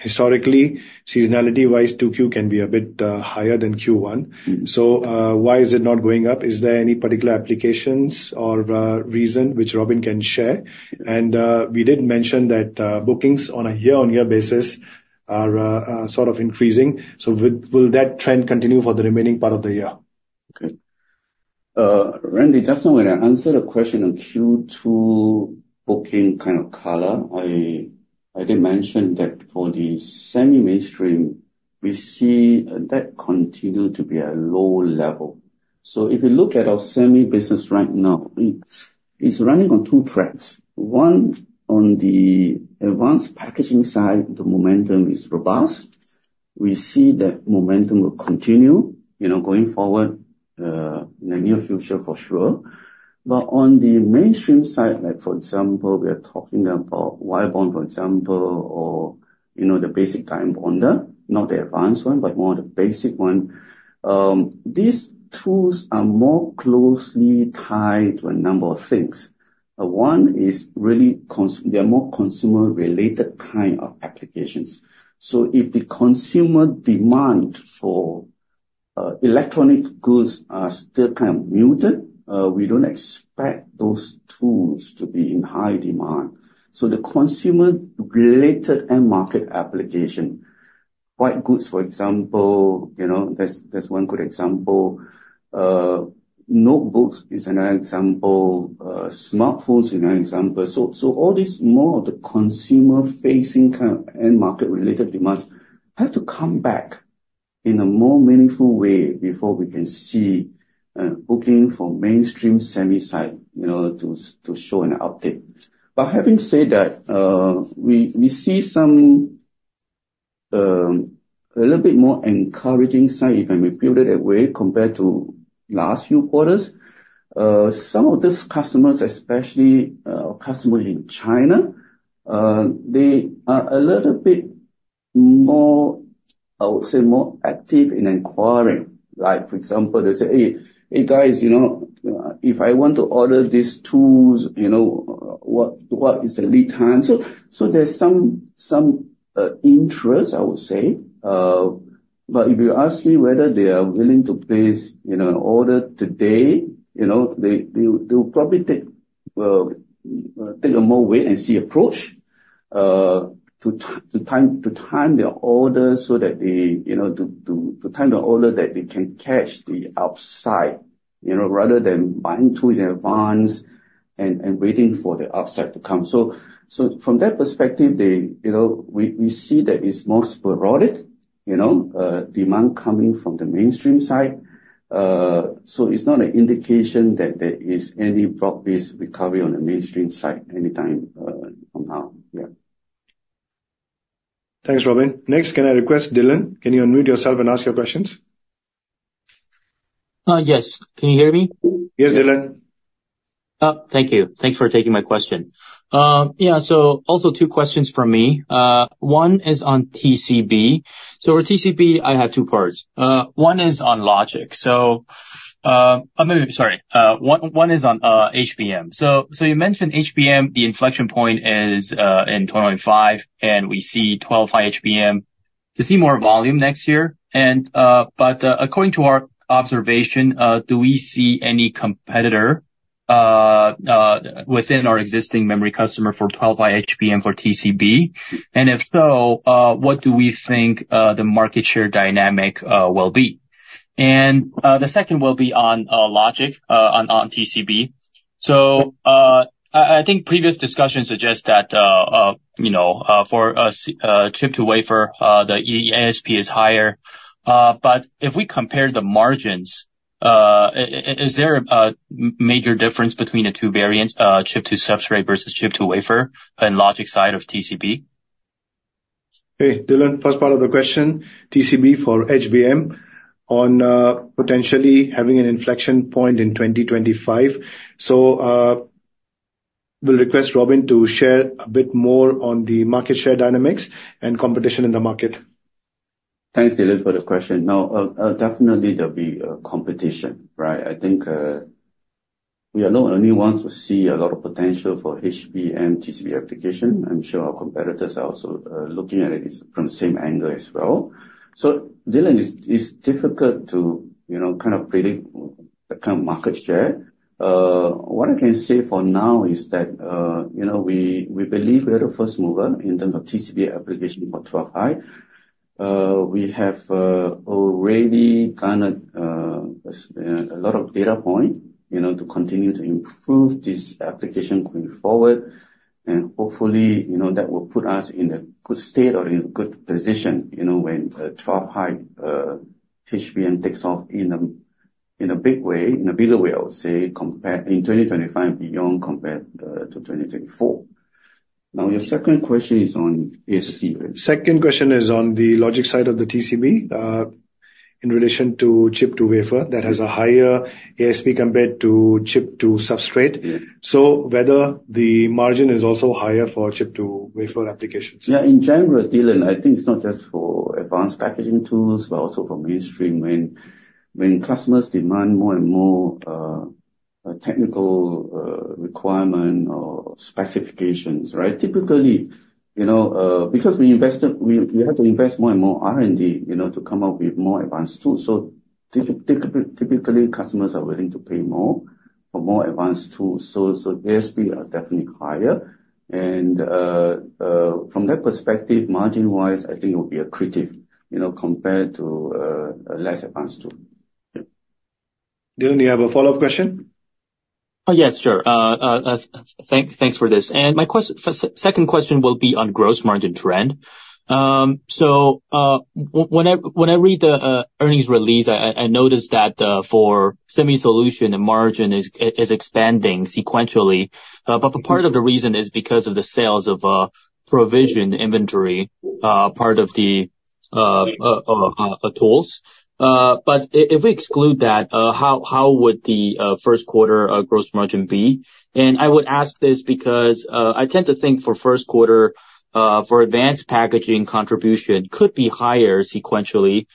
historically, seasonality-wise, 2Q can be a bit higher than Q1. So why is it not going up? Is there any particular applications or reason which Robin can share? And we did mention that bookings on a year-on-year basis are sort of increasing. So will that trend continue for the remaining part of the year? Okay. Randy, just now, when I answered a question on Q2 booking kind of color, I did mention that for the semi-mainstream, we see that continue to be a low level. So if you look at our semi-business right now, it's running on two tracks. One, on the advanced packaging side, the momentum is robust. We see that momentum will continue going forward in the near future for sure. But on the mainstream side, for example, we are talking about wire bond, for example, or the basic die bonder, not the advanced one, but more the basic one. These tools are more closely tied to a number of things. One is really they're more consumer-related kind of applications. So if the consumer demand for electronic goods are still kind of muted, we don't expect those tools to be in high demand. So the consumer-related and market application, white goods, for example, that's one good example. Notebooks is another example. Smartphones is another example. So all these more of the consumer-facing kind of and market-related demands have to come back in a more meaningful way before we can see booking for mainstream semi-side to show an update. But having said that, we see a little bit more encouraging side, if I may put it that way, compared to last few quarters. Some of these customers, especially customers in China, they are a little bit more, I would say, more active in inquiring. For example, they say, "Hey, guys, if I want to order these tools, what is the lead time?" So there's some interest, I would say. But if you ask me whether they are willing to place an order today, they'll probably take a more wait-and-see approach to time their order so that they can catch the upside rather than buying tools in advance and waiting for the upside to come. So from that perspective, we see that it's more sporadic demand coming from the mainstream side. So it's not an indication that there is any broad-based recovery on the mainstream side anytime from now. Yeah. Thanks, Robin. Next, can I request Dylan? Can you unmute yourself and ask your questions? Yes. Can you hear me? Yes, Dylan. Thank you. Thanks for taking my question. Yeah. So also 2 questions from me. One is on TCB. So for TCB, I have 2 parts. One is on logic. So maybe sorry. One is on HBM. So you mentioned HBM, the inflection point is in 2025, and we see 12-high HBM to see more volume next year. But according to our observation, do we see any competitor within our existing memory customer for 12-high HBM for TCB? And if so, what do we think the market share dynamic will be? And the second will be on logic on TCB. So I think previous discussions suggest that for chip to wafer, the ASP is higher. But if we compare the margins, is there a major difference between the two variants, chip to substrate versus chip to wafer, and logic side of TCB? Hey, Dylan, first part of the question, TCB for HBM on potentially having an inflection point in 2025. So we'll request Robin to share a bit more on the market share dynamics and competition in the market. Thanks, Dylan, for the question. No, definitely, there'll be competition, right? I think we are not the only ones to see a lot of potential for HBM TCB application. I'm sure our competitors are also looking at it from the same angle as well. So Dylan, it's difficult to kind of predict the kind of market share. What I can say for now is that we believe we are the first mover in terms of TCB application for 12-high. We have already garnered a lot of data points to continue to improve this application going forward. And hopefully, that will put us in a good state or in a good position when 12-high HBM takes off in a big way, in a bigger way, I would say, in 2025, beyond compared to 2024. Now, your second question is on ASP, right? Second question is on the logic side of the TCB in relation to chip-to-wafer that has a higher ASP compared to chip-to-substrate. So whether the margin is also higher for chip-to-wafer applications. Yeah. In general, Dylan, I think it's not just for advanced packaging tools, but also for mainstream when customers demand more and more technical requirements or specifications, right? Typically, because we have to invest more and more R&D to come up with more advanced tools, so typically, customers are willing to pay more for more advanced tools. So ASP are definitely higher. And from that perspective, margin-wise, I think it will be accretive compared to a less advanced tool. Yeah. Dylan, do you have a follow-up question? Oh, yes. Sure. Thanks for this. My second question will be on gross margin trend. When I read the earnings release, I noticed that for semiconductor solutions, the margin is expanding sequentially. Part of the reason is because of the sales of provision inventory, part of the tools. But if we exclude that, how would the first quarter gross margin be? I would ask this because I tend to think for first quarter, for Advanced Packaging contribution could be higher sequentially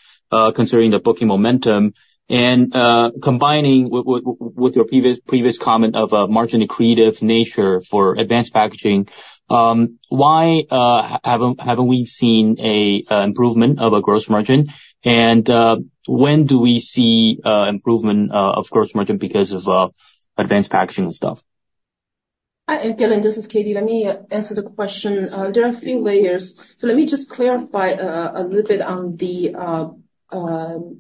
considering the booking momentum. Combining with your previous comment of a margin accretive nature for Advanced Packaging, why haven't we seen an improvement of a gross margin? When do we see improvement of gross margin because of Advanced Packaging and stuff? And Dylan, this is Katie. Let me answer the question. There are a few layers. So let me just clarify a little bit on the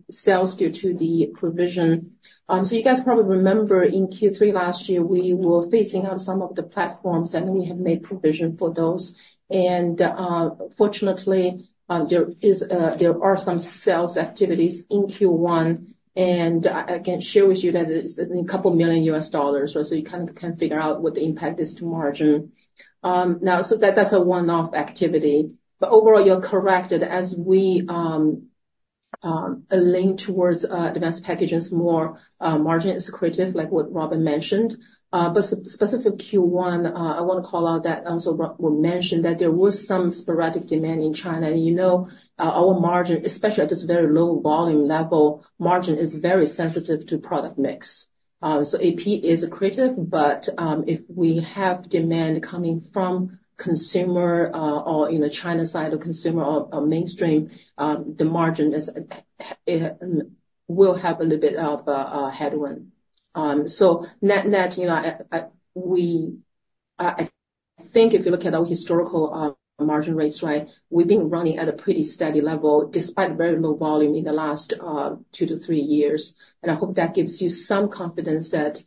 sales due to the provision. So you guys probably remember in Q3 last year, we were phasing out some of the platforms, and then we have made provision for those. And fortunately, there are some sales activities in Q1. And I can share with you that it's $2 million, right? So you kind of can figure out what the impact is to margin. Now, so that's a one-off activity. But overall, you're correct. As we lean towards advanced packages more, margin is accretive, like what Robin mentioned. But specific Q1, I want to call out that also we mentioned that there was some sporadic demand in China. Our margin, especially at this very low volume level, margin is very sensitive to product mix. So AP is accretive, but if we have demand coming from consumer or China-side of consumer or mainstream, the margin will have a little bit of a headwind. So net-net, I think if you look at our historical margin rates, right, we've been running at a pretty steady level despite very low volume in the last 2-3 years. And I hope that gives you some confidence that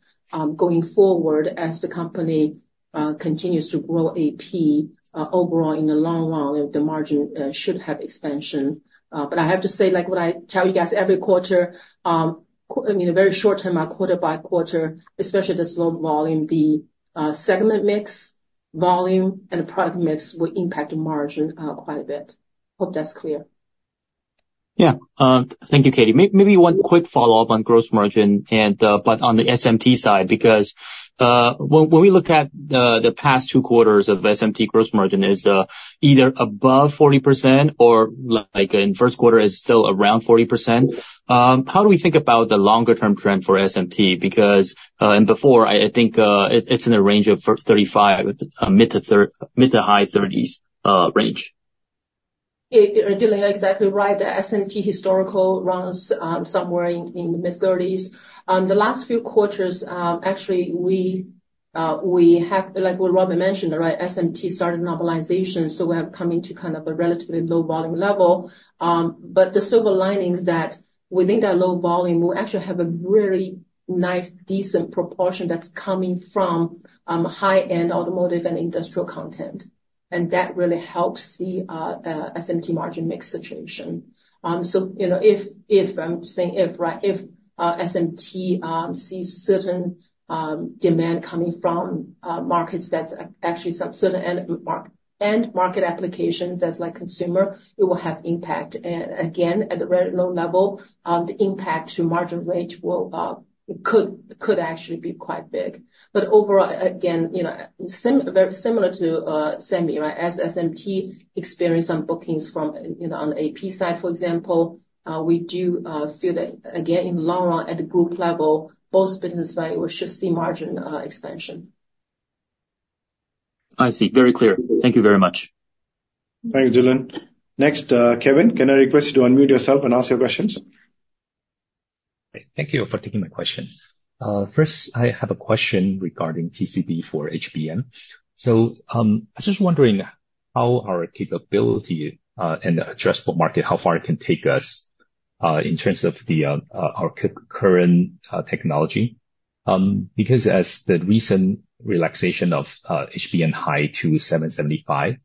going forward, as the company continues to grow AP overall, in the long run, the margin should have expansion. But I have to say, when I tell you guys every quarter, I mean, a very short term, quarter by quarter, especially this low volume, the segment mix volume and the product mix will impact the margin quite a bit. Hope that's clear. Yeah. Thank you, Katie. Maybe one quick follow-up on gross margin, but on the SMT side, because when we look at the past two quarters of SMT gross margin, it's either above 40% or in first quarter, it's still around 40%. How do we think about the longer-term trend for SMT? And before, I think it's in the range of mid- to high-30s range. Dylan, you're exactly right. The SMT historical runs somewhere in the mid-30s. The last few quarters, actually, we have like what Robin mentioned, right, SMT started normalization, so we have come into kind of a relatively low volume level. But the silver lining is that within that low volume, we actually have a really nice, decent proportion that's coming from high-end automotive and industrial content. And that really helps the SMT margin mix situation. So if I'm saying if, right, if SMT sees certain demand coming from markets that's actually certain end-market applications that's consumer, it will have impact. And again, at a very low level, the impact to margin rate could actually be quite big. But overall, again, very similar to semi, right, as SMT experienced some bookings from on the AP side, for example, we do feel that, again, in the long run, at the group level, both businesses, right, should see margin expansion. I see. Very clear. Thank you very much. Thanks, Dylan. Next, Kevin, can I request you to unmute yourself and ask your questions? Thank you for taking my question. First, I have a question regarding TCB for HBM. So I was just wondering how our capability and the addressable market, how far it can take us in terms of our current technology. Because as the recent relaxation of HBM high to 775,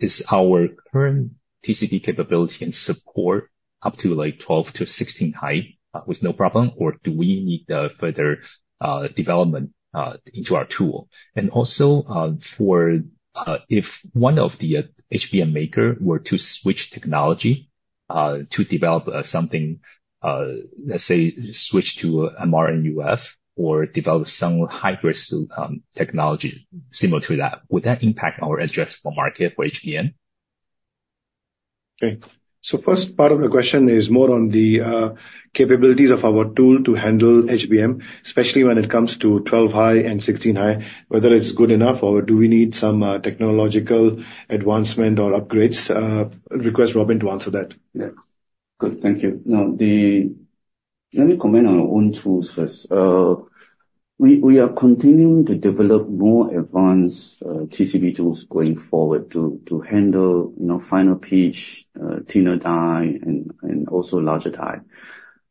is our current TCB capability and support up to 12-16 high with no problem, or do we need further development into our tool? And also, if one of the HBM makers were to switch technology to develop something, let's say, switch to MR-MUF or develop some hybrid technology similar to that, would that impact our addressable market for HBM? Okay. So first part of the question is more on the capabilities of our tool to handle HBM, especially when it comes to 12 high and 16 high, whether it's good enough or do we need some technological advancement or upgrades. Request Robin to answer that. Yeah. Good. Thank you. Now, let me comment on our own tools first. We are continuing to develop more advanced TCB tools going forward to handle finer pitch, thinner die, and also larger die.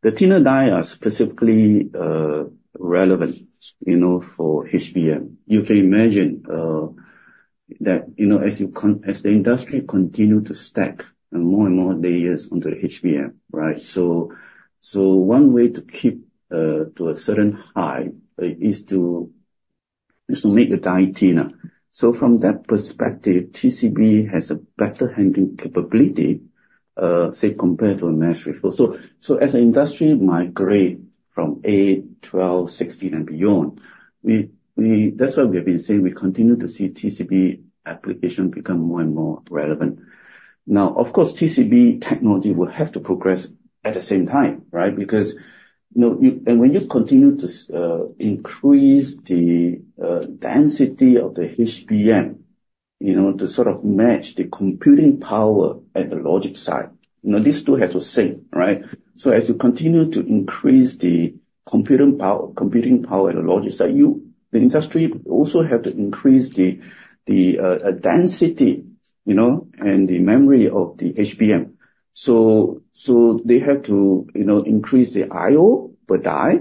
The thinner die are specifically relevant for HBM. You can imagine that as the industry continues to stack more and more layers onto HBM, right? So one way to keep to a certain height is to make the die thinner. So from that perspective, TCB has a better handling capability, say, compared to a mass reflow. So as the industry migrates from 8, 12, 16, and beyond, that's why we have been saying we continue to see TCB application become more and more relevant. Now, of course, TCB technology will have to progress at the same time, right? And when you continue to increase the density of the HBM to sort of match the computing power at the logic side, these two have to sync, right? So as you continue to increase the computing power at the logic side, the industry also has to increase the density and the memory of the HBM. So they have to increase the I/O per die.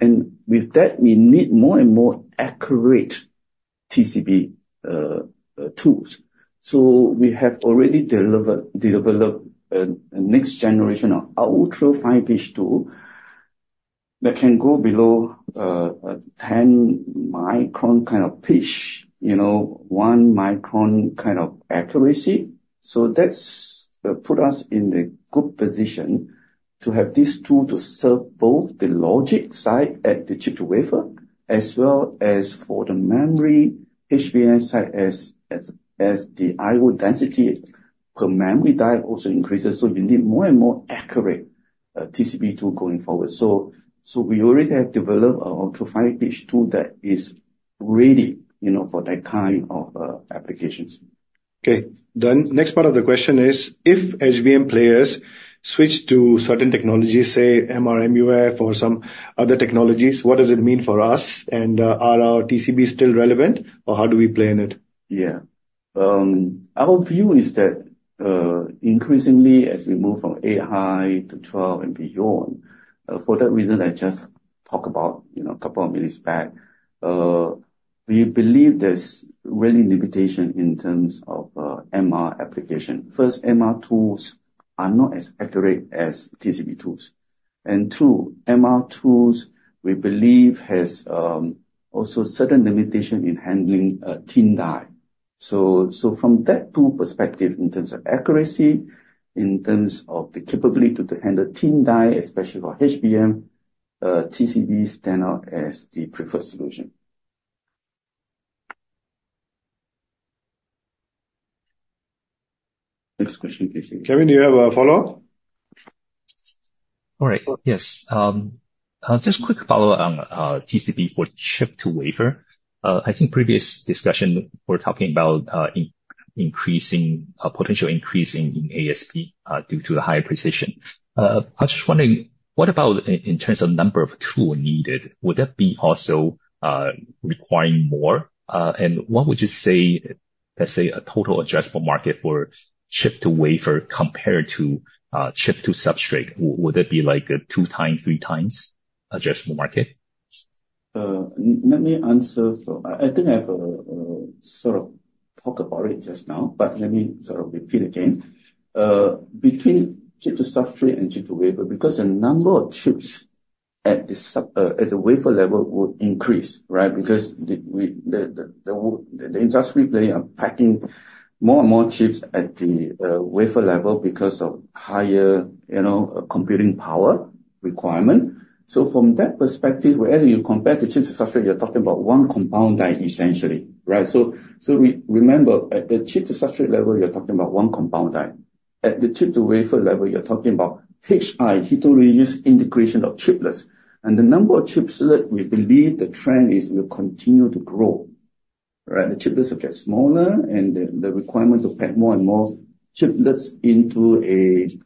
And with that, we need more and more accurate TCB tools. So we have already developed a next generation of ultra-fine pitch tool that can go below 10 micron kind of pitch, 1 micron kind of accuracy. So that's put us in a good position to have this tool to serve both the logic side at the chip to wafer as well as for the memory HBM side as the I/O density per memory die also increases. So you need more and more accurate TCB tool going forward. So we already have developed an ultra-fine pitch tool that is ready for that kind of applications. Okay. Then next part of the question is, if HBM players switch to certain technologies, say, MRMUF or some other technologies, what does it mean for us? And are our TCBs still relevant, or how do we play in it? Yeah. Our view is that increasingly, as we move from 8-high to 12 and beyond, for that reason, I just talked about a couple of minutes back, we believe there's really limitation in terms of MR application. First, MR tools are not as accurate as TCB tools. And two, MR tools, we believe, has also certain limitation in handling thin die. So from that tool perspective, in terms of accuracy, in terms of the capability to handle thin die, especially for HBM, TCBs stand out as the preferred solution. Next question, please. Kevin, do you have a follow-up? All right. Yes. Just quick follow-up on TCB for chip to wafer. I think previous discussion, we're talking about potential increase in ASP due to the higher precision. I was just wondering, what about in terms of number of tools needed? Would that be also requiring more? And what would you say, let's say, a total addressable market for chip to wafer compared to chip to substrate? Would that be like a 2x, 3x addressable market? Let me answer. I think I've sort of talked about it just now, but let me sort of repeat again. Between chip-to-substrate and chip-to-wafer, because the number of chips at the wafer level would increase, right? Because the industry players are packing more and more chips at the wafer level because of higher computing power requirement. So from that perspective, as you compare to chip-to-substrate, you're talking about one compound die, essentially, right? So remember, at the chip-to-substrate level, you're talking about one compound die. At the chip-to-wafer level, you're talking about HI, heterogeneous integration of chiplets. And the number of chiplets, we believe the trend is will continue to grow, right? The chiplets will get smaller, and the requirement to pack more and more chiplets into a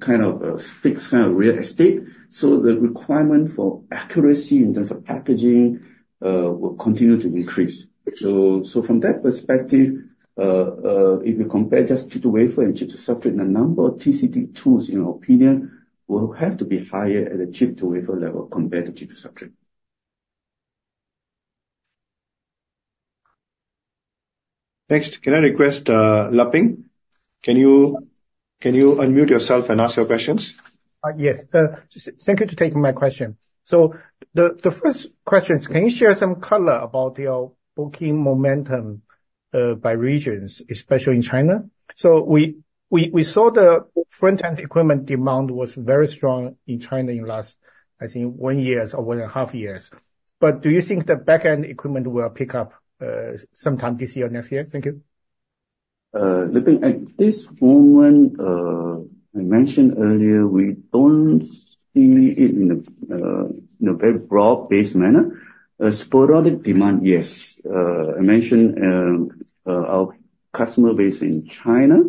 kind of fixed kind of real estate. The requirement for accuracy in terms of packaging will continue to increase. From that perspective, if you compare just chip to wafer and chip to substrate, the number of TCB tools, in our opinion, will have to be higher at the chip to wafer level compared to chip to substrate. Next, can I request Leping? Can you unmute yourself and ask your questions? Yes. Thank you for taking my question. So the first question is, can you share some color about your booking momentum by regions, especially in China? So we saw the front-end equipment demand was very strong in China in the last, I think, one year or one and a half years. But do you think the back-end equipment will pick up sometime this year or next year? Thank you. Leping, at this moment, I mentioned earlier, we don't see it in a very broad-based manner. Sporadic demand, yes. I mentioned our customer base in China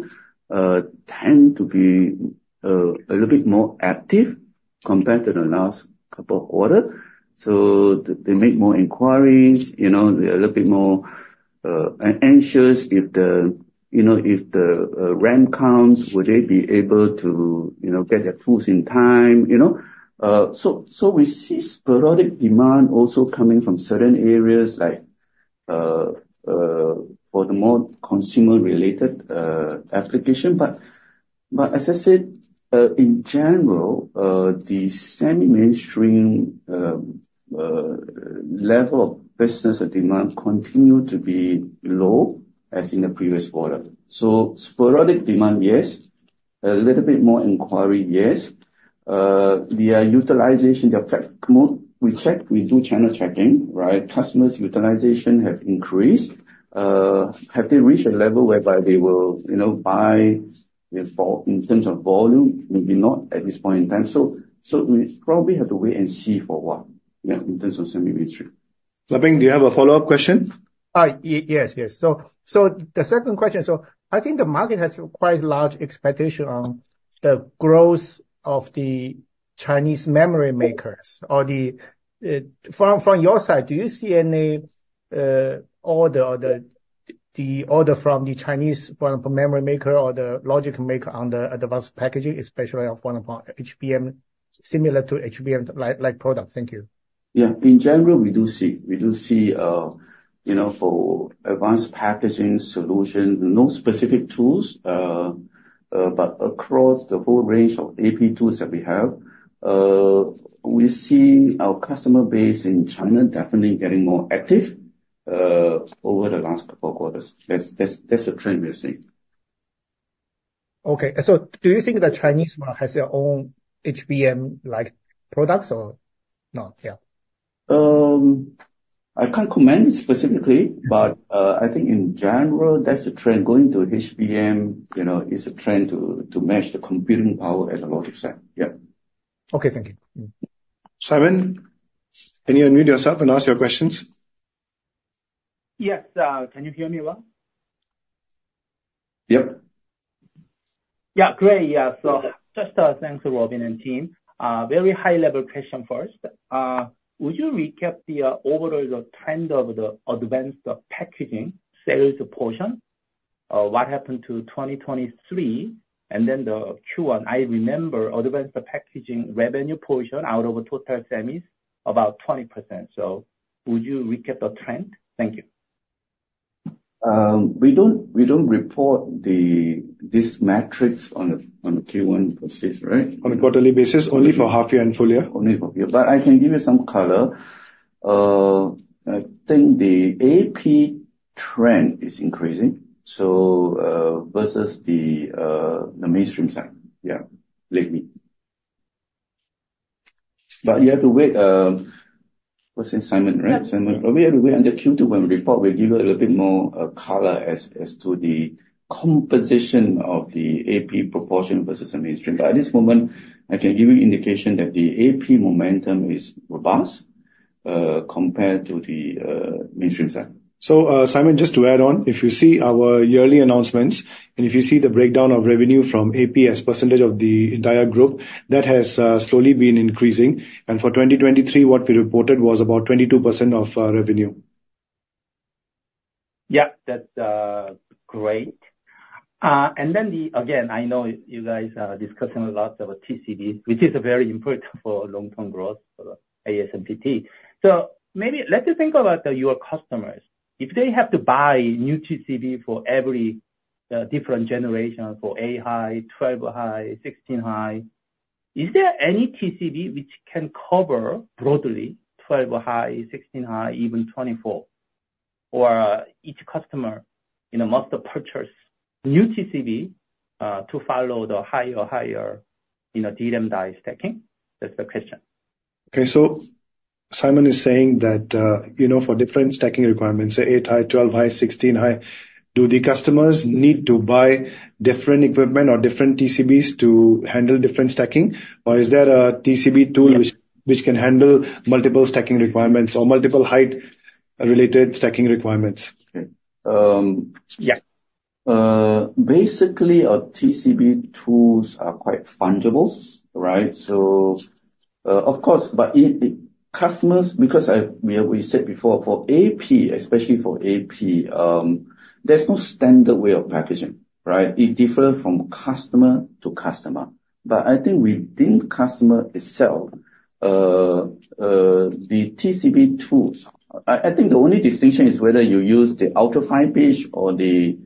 tends to be a little bit more active compared to the last couple of quarters. So they make more inquiries. They're a little bit more anxious if the ramp comes, would they be able to get their tools in time? So we see sporadic demand also coming from certain areas for the more consumer-related application. But as I said, in general, the semi-mainstream level of business demand continues to be low as in the previous quarter. So sporadic demand, yes. A little bit more inquiry, yes. Their utilization, their fab load, we check. We do channel checking, right? Customers' utilization has increased. Have they reached a level whereby they will buy in terms of volume, maybe not at this point in time? We probably have to wait and see for what in terms of semi-mainstream. Lapping, do you have a follow-up question? Yes, yes. So the second question, so I think the market has quite large expectation on the growth of the Chinese memory makers. From your side, do you see any order from the Chinese memory maker or the logic maker on the advanced packaging, especially HBM, similar to HBM-like products? Thank you. Yeah. In general, we do see. We do see for advanced packaging solutions, no specific tools, but across the whole range of AP tools that we have, we see our customer base in China definitely getting more active over the last couple of quarters. That's a trend we're seeing. Okay. So do you think the Chinese market has their own HBM-like products or not? Yeah. I can't comment specifically, but I think in general, that's the trend. Going to HBM is a trend to match the computing power at the logic side. Yeah. Okay. Thank you. Kevin, can you unmute yourself and ask your questions? Yes. Can you hear me well? Yep. Yeah. Great. Yeah. So just thanks to Robin and team. Very high-level question first. Would you recap the overall trend of the advanced packaging sales portion? What happened to 2023 and then the Q1? I remember advanced packaging revenue portion out of total semis about 20%. So would you recap the trend? Thank you. We don't report these metrics on a Q1 basis, right? On a quarterly basis, only for half-year and full-year? Only for year. But I can give you some color. I think the AP trend is increasing versus the mainstream side. Yeah. Lately. But you have to wait. What's it? Simon? Right? Simon. We have to wait until Q2 when we report. We'll give you a little bit more color as to the composition of the AP proportion versus the mainstream. But at this moment, I can give you indication that the AP momentum is robust compared to the mainstream side. Simon, just to add on, if you see our yearly announcements and if you see the breakdown of revenue from AP as percentage of the entire group, that has slowly been increasing. For 2023, what we reported was about 22% of revenue. Yeah. That's great. And then again, I know you guys are discussing a lot of TCBs, which is very important for long-term growth for ASMPT. So maybe let's think about your customers. If they have to buy new TCBs for every different generation, for 8 high, 12 high, 16 high, is there any TCB which can cover broadly 12 high, 16 high, even 24, or each customer must purchase new TCBs to follow the higher or higher DRAM die stacking? That's the question. Okay. So Simon is saying that for different stacking requirements, say 8 high, 12 high, 16 high, do the customers need to buy different equipment or different TCBs to handle different stacking? Or is there a TCB tool which can handle multiple stacking requirements or multiple height-related stacking requirements? Yeah. Basically, our TCB tools are quite fungible, right? So of course, but because we said before, for AP, especially for AP, there's no standard way of packaging, right? It differs from customer to customer. But I think within customer itself, the TCB tools, I think the only distinction is whether you use the ultra-fine pitch or the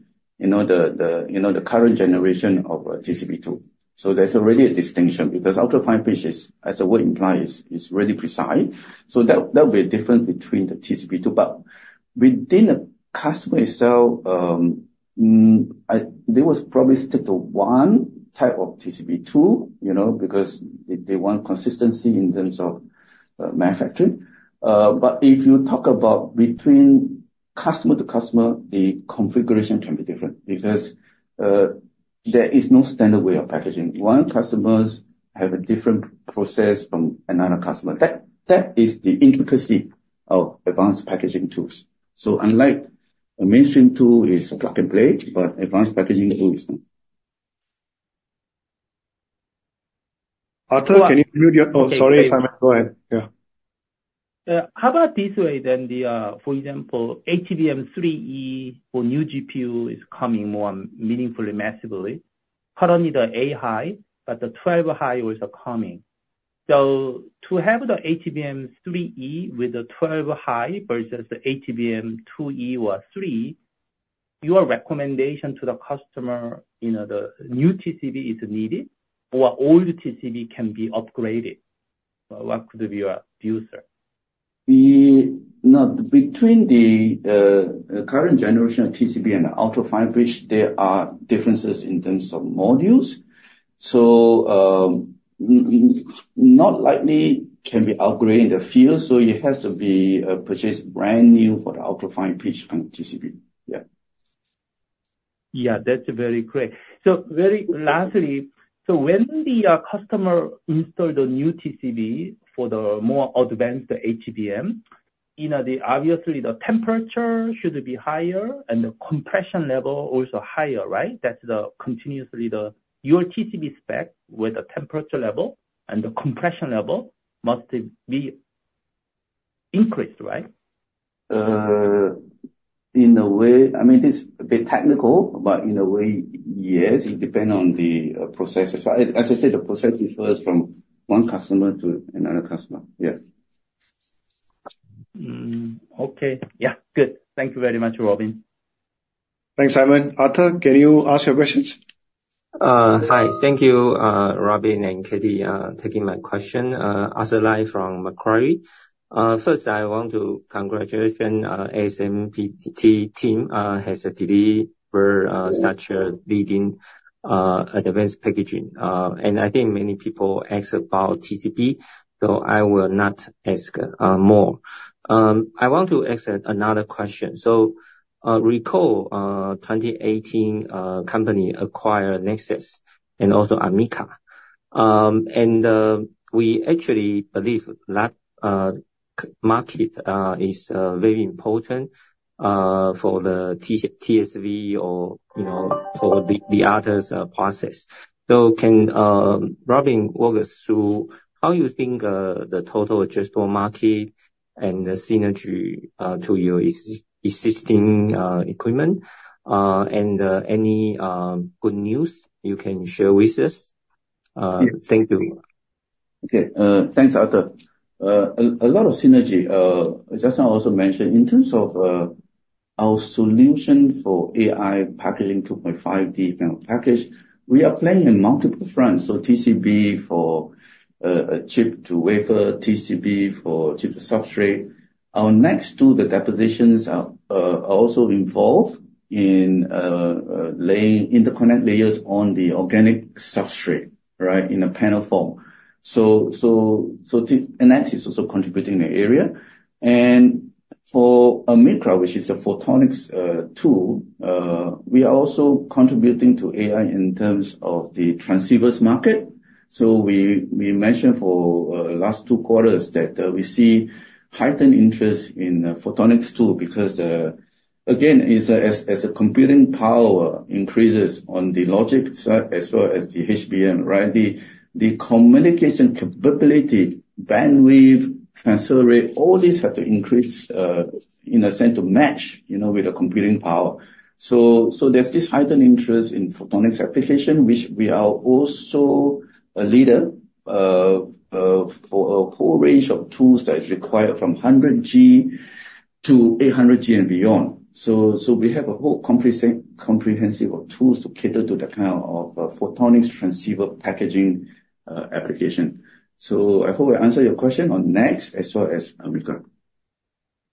current generation of TCB tool. So there's already a distinction because ultra-fine pitch, as the word implies, is really precise. So that will be different between the TCB tool. But within a customer itself, they will probably stick to one type of TCB tool because they want consistency in terms of manufacturing. But if you talk about between customer to customer, the configuration can be different because there is no standard way of packaging. One customer has a different process from another customer. That is the intricacy of advanced packaging tools. Unlike a mainstream tool is plug-and-play, but Advanced Packaging tool is not. Arthur, can you unmute? Oh, sorry, Simon. Go ahead. Yeah. How about this way then, for example, HBM3E for new GPU is coming more meaningfully, massively. Currently, the 8-high, but the 12-high also coming. So to have the HBM3E with the 12-high versus the HBM2E or 3E, your recommendation to the customer, the new TCB is needed or old TCB can be upgraded? What could be your view, sir? No. Between the current generation of TCB and the ultra-fine pitch, there are differences in terms of modules. So, not likely can be upgraded in the field. So, it has to be purchased brand new for the ultra-fine pitch on TCB. Yeah. Yeah. That's very great. So lastly, so when the customer installs the new TCB for the more advanced HBM, obviously, the temperature should be higher and the compression level also higher, right? That's continuously your TCB spec with the temperature level and the compression level must be increased, right? In a way, I mean, it's a bit technical, but in a way, yes, it depends on the process as well. As I said, the process differs from one customer to another customer. Yeah. Okay. Yeah. Good. Thank you very much, Robin. Thanks, Simon. Arthur, can you ask your questions? Hi. Thank you, Robin and Katie, for taking my question. Arthur Lai from Macquarie. First, I want to congratulate ASMPT team. Has a lead in such a leading advanced packaging. I think many people ask about TCB, so I will not ask more. I want to ask another question. Recall, 2018, company acquired NEXX and also AMICRA. We actually believe that market is very important for the TSV or for the others' process. Can Robin walk us through how you think the total addressable market and the synergy to your existing equipment and any good news you can share with us? Thank you. Okay. Thanks, Arthur. A lot of synergy. Justin also mentioned in terms of our solution for AI packaging 2.5D kind of package, we are playing on multiple fronts. So TCB for chip to wafer, TCB for chip to substrate. Our NEXX two depositions are also involved in laying interconnect layers on the organic substrate, right, in a panel form. So NEXX is also contributing in the area. And for AMICRA, which is a photonics tool, we are also contributing to AI in terms of the transceivers market. So we mentioned for the last two quarters that we see heightened interest in the photonics tool because, again, as the computing power increases on the logic side as well as the HBM, right, the communication capability, bandwidth, transfer rate, all these have to increase in a sense to match with the computing power. So there's this heightened interest in photonics application, which we are also a leader for a whole range of tools that is required from 100G to 800G and beyond. So we have a whole comprehensive of tools to cater to the kind of photonics transceiver packaging application. So I hope I answered your question on NEXX as well as AMICRA.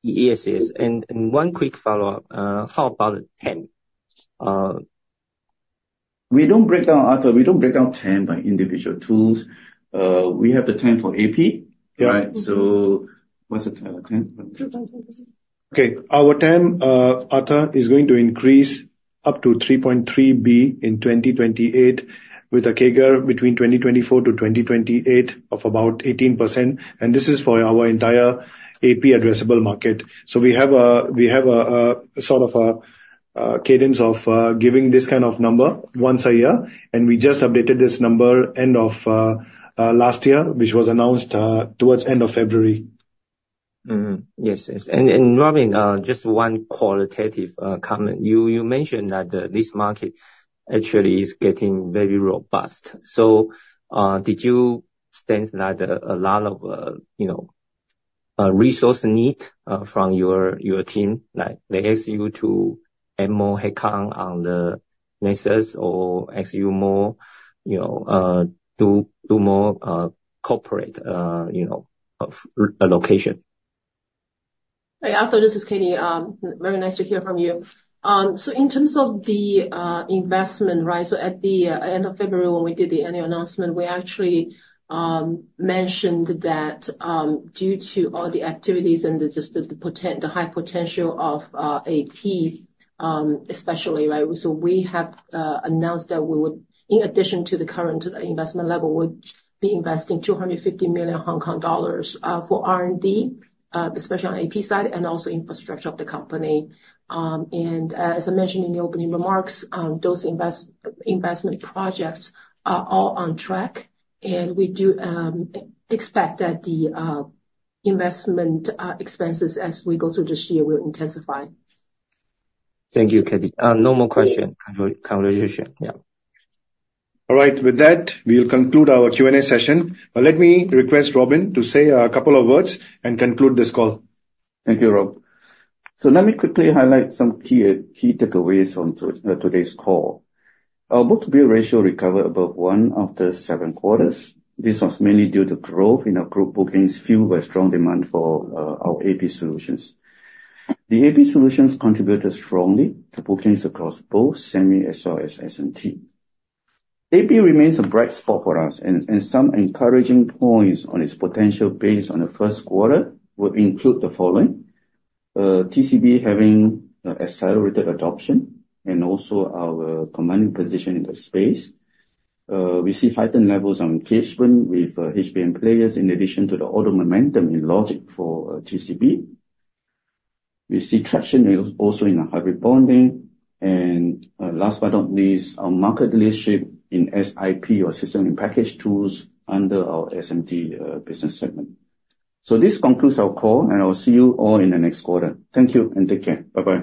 Yes, yes. And one quick follow-up. How about the 10? We don't break down, Arthur. We don't break down 10 by individual tools. We have the 10 for AP, right? So what's the 10? Okay. Our TAM is going to increase up to $3.3 billion in 2028 with a CAGR between 2024 to 2028 of about 18%. And this is for our entire AP addressable market. So we have a sort of a cadence of giving this kind of number once a year. And we just updated this number end of last year, which was announced towards end of February. Yes, yes. And Robin, just one qualitative comment. You mentioned that this market actually is getting very robust. So did you sense a lot of resource need from your team? They ask you to add more headcount on the NEXX or ask you to do more corporate allocation? Hi, Arthur. This is Katie. Very nice to hear from you. So in terms of the investment, right, so at the end of February, when we did the annual announcement, we actually mentioned that due to all the activities and just the high potential of AP, especially, right, so we have announced that we would, in addition to the current investment level, would be investing 250 million Hong Kong dollars for R&D, especially on AP side and also infrastructure of the company. And as I mentioned in the opening remarks, those investment projects are all on track. And we do expect that the investment expenses as we go through this year will intensify. Thank you, Katie. No more question. Conversation. Yeah. All right. With that, we'll conclude our Q&A session. But let me request Robin to say a couple of words and conclude this call. Thank you, Rob. So let me quickly highlight some key takeaways from today's call. Our book-to-bill ratio recovered above 1 after seven quarters. This was mainly due to growth in our group bookings, fueled by strong demand for our AP solutions. The AP solutions contributed strongly to bookings across both semi as well as SMT. AP remains a bright spot for us. And some encouraging points on its potential based on the first quarter would include the following: TCB having accelerated adoption and also our commanding position in the space. We see heightened levels of engagement with HBM players in addition to the auto momentum in logic for TCB. We see traction also in the hybrid bonding. And last but not least, our market leadership in SIP or System-in-Package tools under our SMT business segment. So this concludes our call, and I will see you all in the next quarter. Thank you and take care. Bye-bye.